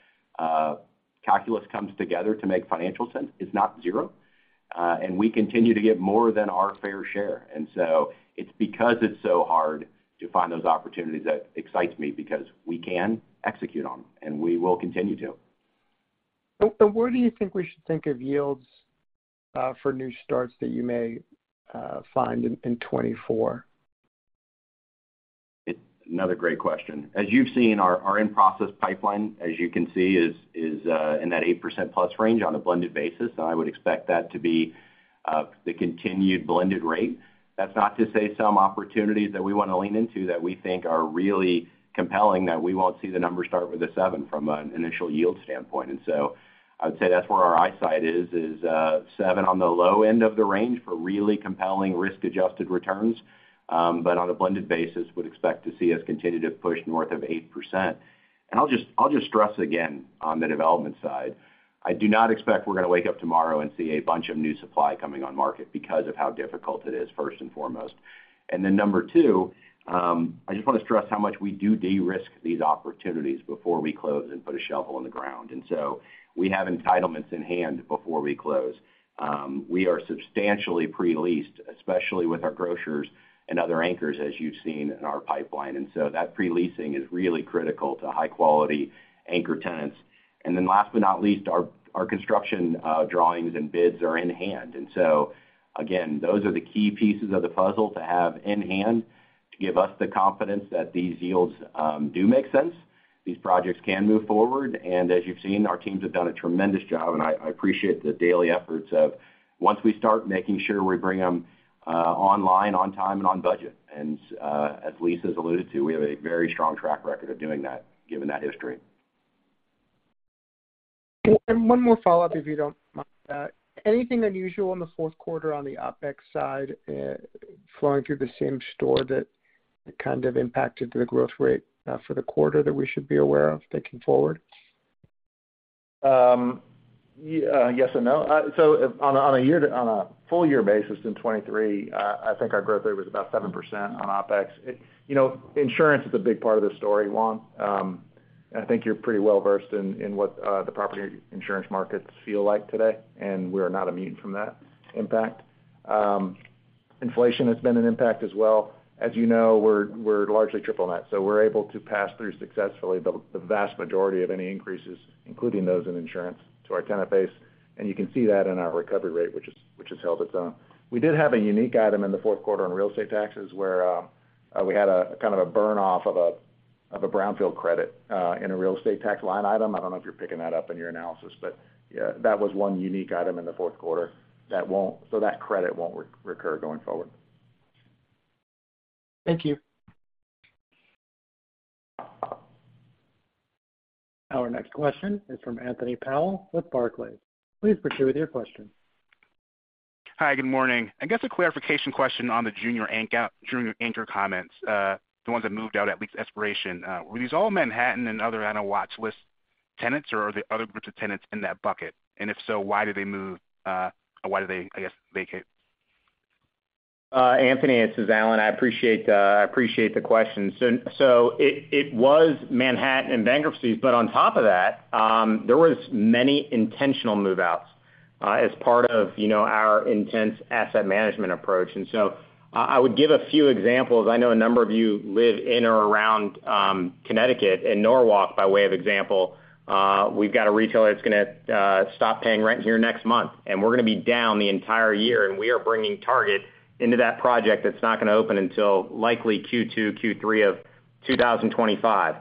calculus comes together to make financial sense, it's not zero. We continue to get more than our fair share. It's because it's so hard to find those opportunities that excites me because we can execute on them. We will continue to. Where do you think we should think of yields for new starts that you may find in 2024? Another great question. As you've seen, our in-process pipeline, as you can see, is in that 8%+ range on a blended basis. And I would expect that to be the continued blended rate. That's not to say some opportunities that we want to lean into that we think are really compelling, that we won't see the number start with a seven from an initial yield standpoint. And so I would say that's where our eyesight is, is seven on the low end of the range for really compelling risk-adjusted returns. But on a blended basis, would expect to see us continue to push north of 8%. And I'll just stress again on the development side. I do not expect we're going to wake up tomorrow and see a bunch of new supply coming on market because of how difficult it is, first and foremost. And then number two, I just want to stress how much we do de-risk these opportunities before we close and put a shovel in the ground. And so we have entitlements in hand before we close. We are substantially pre-leased, especially with our grocers and other anchors, as you've seen, in our pipeline. And so that pre-leasing is really critical to high-quality anchor tenants. And then last but not least, our construction drawings and bids are in hand. And so again, those are the key pieces of the puzzle to have in hand to give us the confidence that these yields do make sense, these projects can move forward. And as you've seen, our teams have done a tremendous job. And I appreciate the daily efforts of once we start, making sure we bring them online, on time, and on budget. As Lisa's alluded to, we have a very strong track record of doing that, given that history. One more follow-up, if you don't mind that. Anything unusual in the fourth quarter on the OpEx side flowing through the same store that kind of impacted the growth rate for the quarter that we should be aware of thinking forward? Yes and no. So on a full-year basis in 2023, I think our growth rate was about 7% on OpEx. Insurance is a big part of this story, Juan. And I think you're pretty well-versed in what the property insurance markets feel like today. And we are not immune from that impact. Inflation has been an impact as well. As you know, we're largely tripling that. So we're able to pass through successfully the vast majority of any increases, including those in insurance, to our tenant base. And you can see that in our recovery rate, which has held its own. We did have a unique item in the fourth quarter on real estate taxes where we had kind of a burn-off of a brownfield credit in a real estate tax line item. I don't know if you're picking that up in your analysis. But yeah, that was one unique item in the fourth quarter that won't, so that credit won't recur going forward. Thank you. Our next question is from Anthony Powell with Barclays. Please proceed with your question. Hi. Good morning. I guess a clarification question on the junior anchor comments, the ones that moved out at lease expiration. Were these all Manhattan and other on a watchlist tenants, or are the other groups of tenants in that bucket? And if so, why did they move? Why did they, I guess, vacate? Anthony, this is Alan. I appreciate the question. So it was Manhattan and bankruptcies. But on top of that, there was many intentional move-outs as part of our intense asset management approach. And so I would give a few examples. I know a number of you live in or around Connecticut and Norwalk, by way of example. We've got a retailer that's going to stop paying rent here next month. And we're going to be down the entire year. We are bringing Target into that project that's not going to open until likely Q2, Q3 of 2025.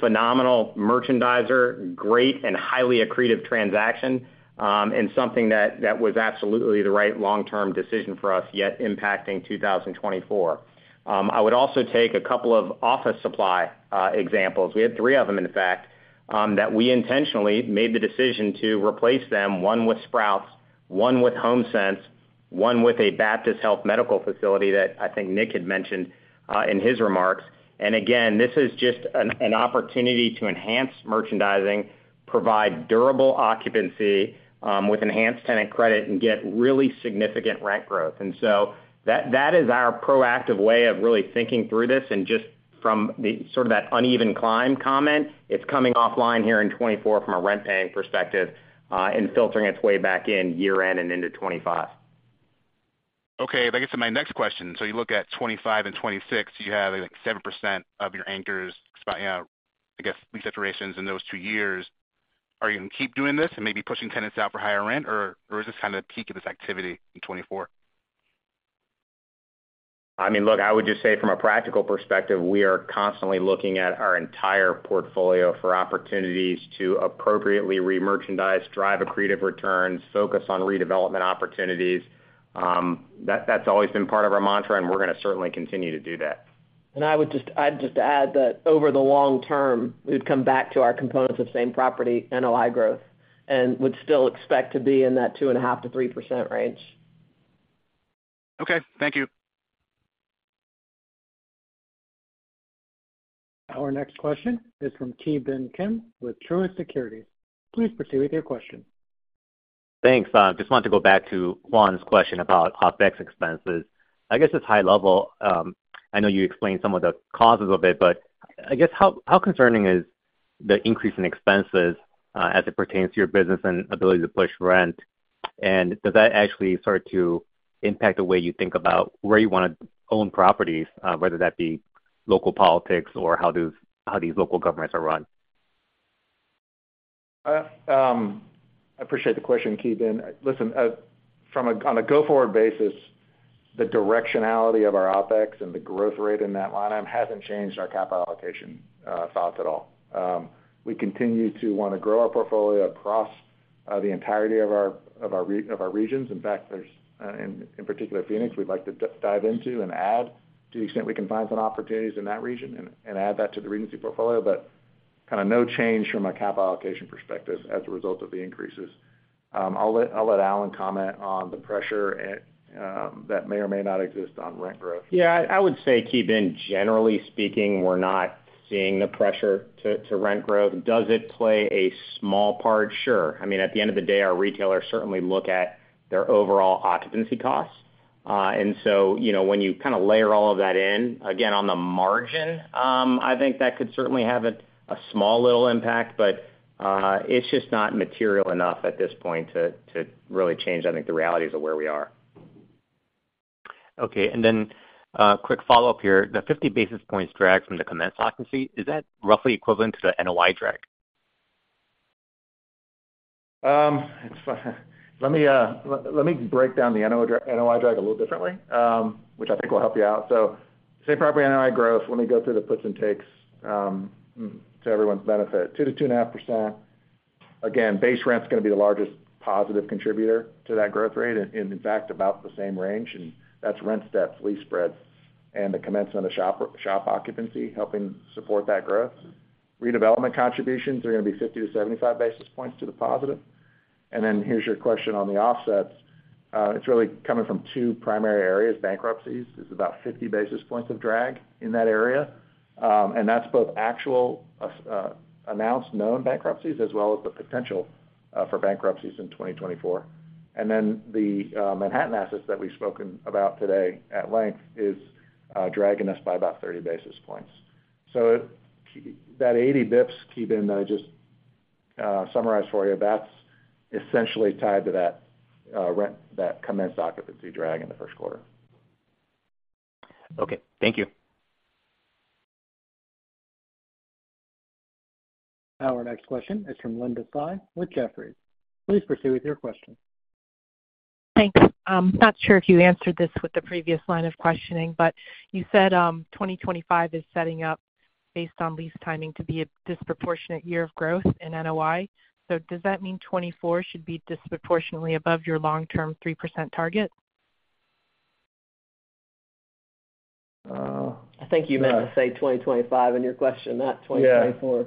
Phenomenal merchandiser, great and highly accretive transaction, and something that was absolutely the right long-term decision for us, yet impacting 2024. I would also take a couple of office supply examples. We had three of them, in fact, that we intentionally made the decision to replace them: one with Sprouts, one with HomeSense, one with a Baptist Health medical facility that I think Nick had mentioned in his remarks. And again, this is just an opportunity to enhance merchandising, provide durable occupancy with enhanced tenant credit, and get really significant rent growth. So that is our proactive way of really thinking through this. And just from sort of that uneven climb comment, it's coming offline here in 2024 from a rent-paying perspective and filtering its way back in year-end and into 2025. Okay. I guess to my next question, so you look at 2025 and 2026, you have 7% of your anchors, I guess, lease expirations in those two years. Are you going to keep doing this and maybe pushing tenants out for higher rent? Or is this kind of the peak of this activity in 2024? I mean, look, I would just say from a practical perspective, we are constantly looking at our entire portfolio for opportunities to appropriately re-merchandise, drive accretive returns, focus on redevelopment opportunities. That's always been part of our mantra. And we're going to certainly continue to do that. I would just add that over the long term, we would come back to our components of Same-Property NOI growth and would still expect to be in that 2.5%-3% range. Okay. Thank you. Our next question is from Ki Bin Kim with Truist Securities. Please proceed with your question. Thanks, Juan. Just wanted to go back to Juan's question about OpEx expenses. I guess it's high-level. I know you explained some of the causes of it. But I guess how concerning is the increase in expenses as it pertains to your business and ability to push rent? And does that actually start to impact the way you think about where you want to own properties, whether that be local politics or how these local governments are run? I appreciate the question, Ki Bin. Listen, on a go-forward basis, the directionality of our OpEx and the growth rate in that line item hasn't changed our capital allocation thoughts at all. We continue to want to grow our portfolio across the entirety of our regions. In fact, in particular, Phoenix, we'd like to dive into and add to the extent we can find some opportunities in that region and add that to the Regency portfolio. But kind of no change from a capital allocation perspective as a result of the increases. I'll let Alan comment on the pressure that may or may not exist on rent growth. Yeah. I would say, Ki Bin Kim, generally speaking, we're not seeing the pressure to rent growth. Does it play a small part? Sure. I mean, at the end of the day, our retailers certainly look at their overall occupancy costs. And so when you kind of layer all of that in, again, on the margin, I think that could certainly have a small little impact. But it's just not material enough at this point to really change, I think, the realities of where we are. Okay. And then quick follow-up here. The 50 basis points drag from the commenced occupancy, is that roughly equivalent to the NOI drag? Let me break down the NOI drag a little differently, which I think will help you out. So same-property NOI growth. Let me go through the puts and takes to everyone's benefit. 2%-2.5%. Again, base rent's going to be the largest positive contributor to that growth rate and, in fact, about the same range. And that's rent steps, lease spreads, and the commencement of shop occupancy helping support that growth. Redevelopment contributions are going to be 50-75 basis points to the positive. And then here's your question on the offsets. It's really coming from two primary areas. Bankruptcies is about 50 basis points of drag in that area. And that's both actual announced known bankruptcies as well as the potential for bankruptcies in 2024. And then the Manhattan assets that we've spoken about today at length is dragging us by about 30 basis points. So that 80 basis points, Ki Bin Kim, that I just summarized for you, that's essentially tied to that commenced occupancy drag in the first quarter. Okay. Thank you. Our next question is from Linda Tsai with Jefferies. Please proceed with your question. Thanks. I'm not sure if you answered this with the previous line of questioning. But you said 2025 is setting up, based on lease timing, to be a disproportionate year of growth in NOI. So does that mean 2024 should be disproportionately above your long-term 3% target? I think you meant to say 2025 in your question, not 2024. Yeah.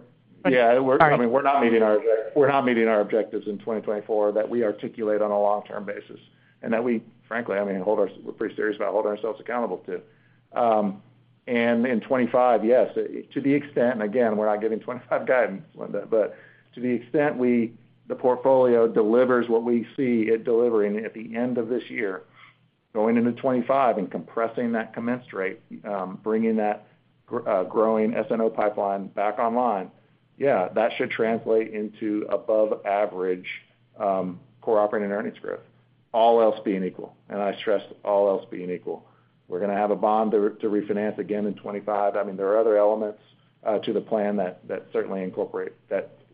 Yeah. I mean, we're not meeting our objectives in 2024 that we articulate on a long-term basis and that we, frankly, I mean, we're pretty serious about holding ourselves accountable to. And in 2025, yes, to the extent and again, we're not giving 2025 guidance, Linda. But to the extent the portfolio delivers what we see it delivering at the end of this year, going into 2025 and compressing that commenced rate, bringing that growing SNO pipeline back online, yeah, that should translate into above-average Core Operating Earnings growth, all else being equal. And I stress all else being equal. We're going to have a bond to refinance again in 2025. I mean, there are other elements to the plan that certainly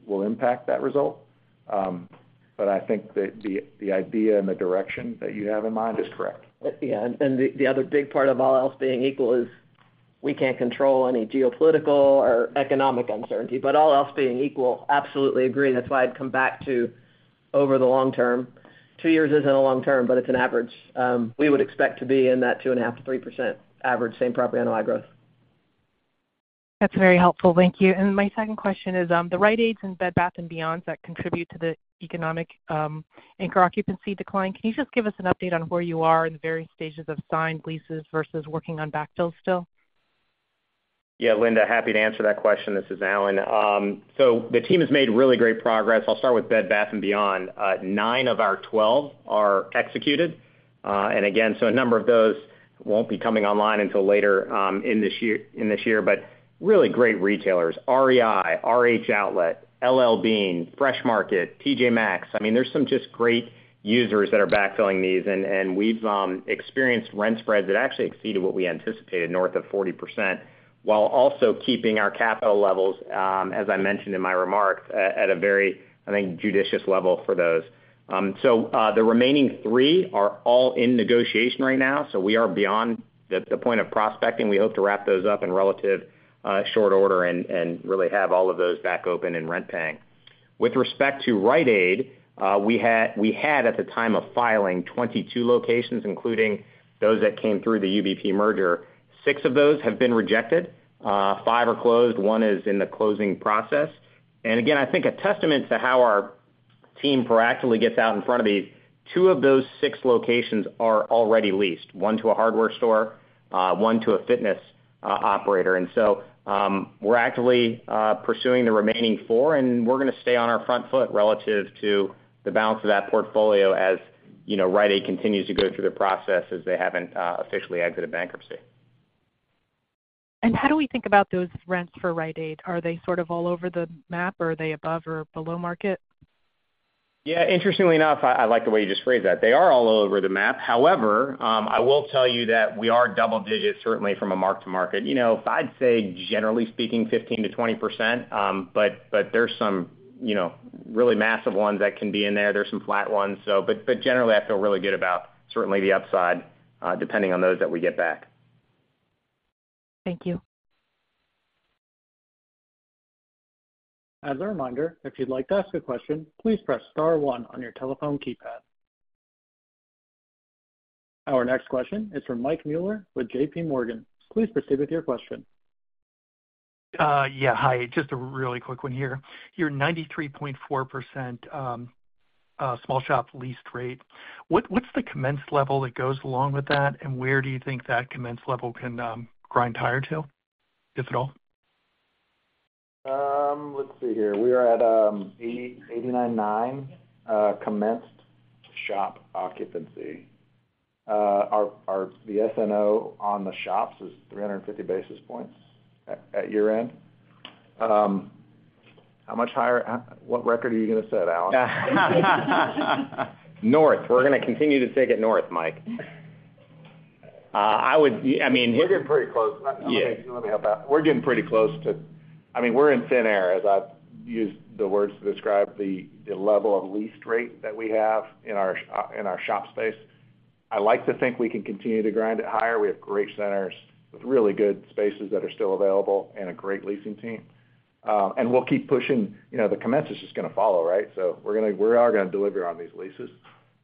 will impact that result. But I think the idea and the direction that you have in mind is correct. Yeah. And the other big part of all else being equal is we can't control any geopolitical or economic uncertainty. But all else being equal, absolutely agree. That's why I'd come back to over the long term. 2 years isn't a long term, but it's an average. We would expect to be in that 2.5%-3% average, same-property NOI growth. That's very helpful. Thank you. My second question is, the Rite Aids and Bed Bath & Beyonds that contribute to the economic anchor occupancy decline, can you just give us an update on where you are in the various stages of signed leases versus working on backfills still? Yeah, Linda, happy to answer that question. This is Alan. So the team has made really great progress. I'll start with Bed Bath & Beyond. Nine of our 12 are executed. And again, so a number of those won't be coming online until later in this year. But really great retailers: REI, RH Outlet, L.L.Bean, Fresh Market, T.J. Maxx. I mean, there's some just great users that are backfilling these. And we've experienced rent spreads that actually exceeded what we anticipated, north of 40%, while also keeping our capital levels, as I mentioned in my remarks, at a very, I think, judicious level for those. So the remaining three are all in negotiation right now. So we are beyond the point of prospecting. We hope to wrap those up in relative short order and really have all of those back open and rent paying. With respect to Rite Aid, we had, at the time of filing, 22 locations, including those that came through the UBP merger. Six of those have been rejected. Five are closed. One is in the closing process. And again, I think a testament to how our team proactively gets out in front of these, two of those six locations are already leased: one to a hardware store, one to a fitness operator. And so we're actively pursuing the remaining four. And we're going to stay on our front foot relative to the balance of that portfolio as Rite Aid continues to go through the process as they haven't officially exited bankruptcy. How do we think about those rents for Rite Aid? Are they sort of all over the map? Are they above or below market? Yeah. Interestingly enough, I like the way you just phrased that. They are all over the map. However, I will tell you that we are double-digit, certainly, from a mark-to-market. I'd say, generally speaking, 15%-20%. But there's some really massive ones that can be in there. There's some flat ones. But generally, I feel really good about certainly the upside, depending on those that we get back. Thank you. As a reminder, if you'd like to ask a question, please press star 1 on your telephone keypad. Our next question is from Mike Mueller with JPMorgan. Please proceed with your question. Yeah. Hi. Just a really quick one here. Your 93.4% small shop leased rate, what's the commenced level that goes along with that? And where do you think that commenced level can grind higher to, if at all? Let's see here. We are at 89.9 commenced shop occupancy. The S&O on the shops is 350 basis points at year-end. How much higher? What record are you going to set, Alan? North. We're going to continue to take it north, Mike. I mean. You're getting pretty close. Let me help out. Yeah. We're getting pretty close to, I mean, we're in thin air, as I've used the words to describe the level of leased rate that we have in our shop space. I like to think we can continue to grind it higher. We have great centers with really good spaces that are still available and a great leasing team. And we'll keep pushing. The commenced is just going to follow, right? So we are going to deliver on these leases.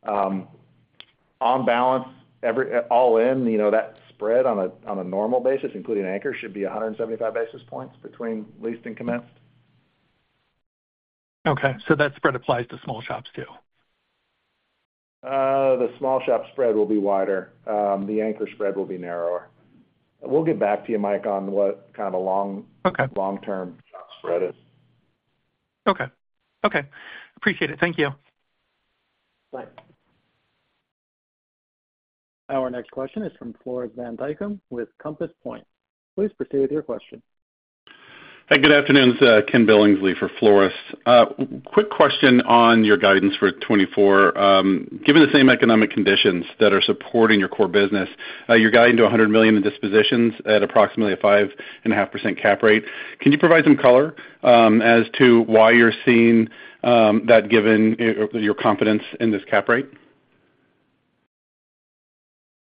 On balance, all in, that spread on a normal basis, including anchors, should be 175 basis points between leased and commenced. Okay. So that spread applies to small shops too? The small shop spread will be wider. The anchor spread will be narrower. We'll get back to you, Mike, on what kind of a long-term shop spread is. Okay. Okay. Appreciate it. Thank you. Thanks. Our next question is from Floris Van Dijkum with Compass Point. Please proceed with your question. Hey. Good afternoon. This is Ken Billingsley for Floris. Quick question on your guidance for 2024. Given the same economic conditions that are supporting your core business, you're guiding to $100 million in dispositions at approximately a 5.5% cap rate. Can you provide some color as to why you're seeing that given your confidence in this cap rate?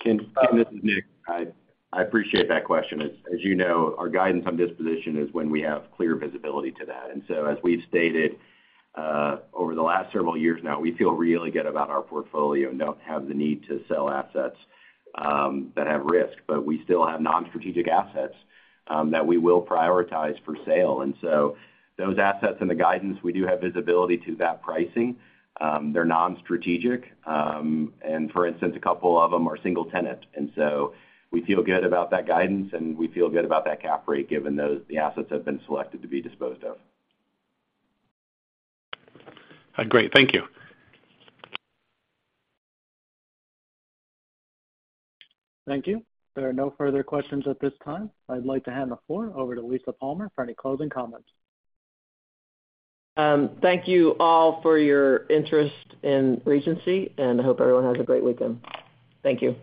Ken, this is Nick. I appreciate that question. As you know, our guidance on disposition is when we have clear visibility to that. And so, as we've stated over the last several years now, we feel really good about our portfolio and don't have the need to sell assets that have risk. But we still have non-strategic assets that we will prioritize for sale. And so those assets and the guidance, we do have visibility to that pricing. They're non-strategic. And, for instance, a couple of them are single-tenant. And so we feel good about that guidance. And we feel good about that cap rate given the assets that have been selected to be disposed of. Great. Thank you. Thank you. There are no further questions at this time. I'd like to hand the floor over to Lisa Palmer for any closing comments. Thank you all for your interest in Regency. I hope everyone has a great weekend. Thank you.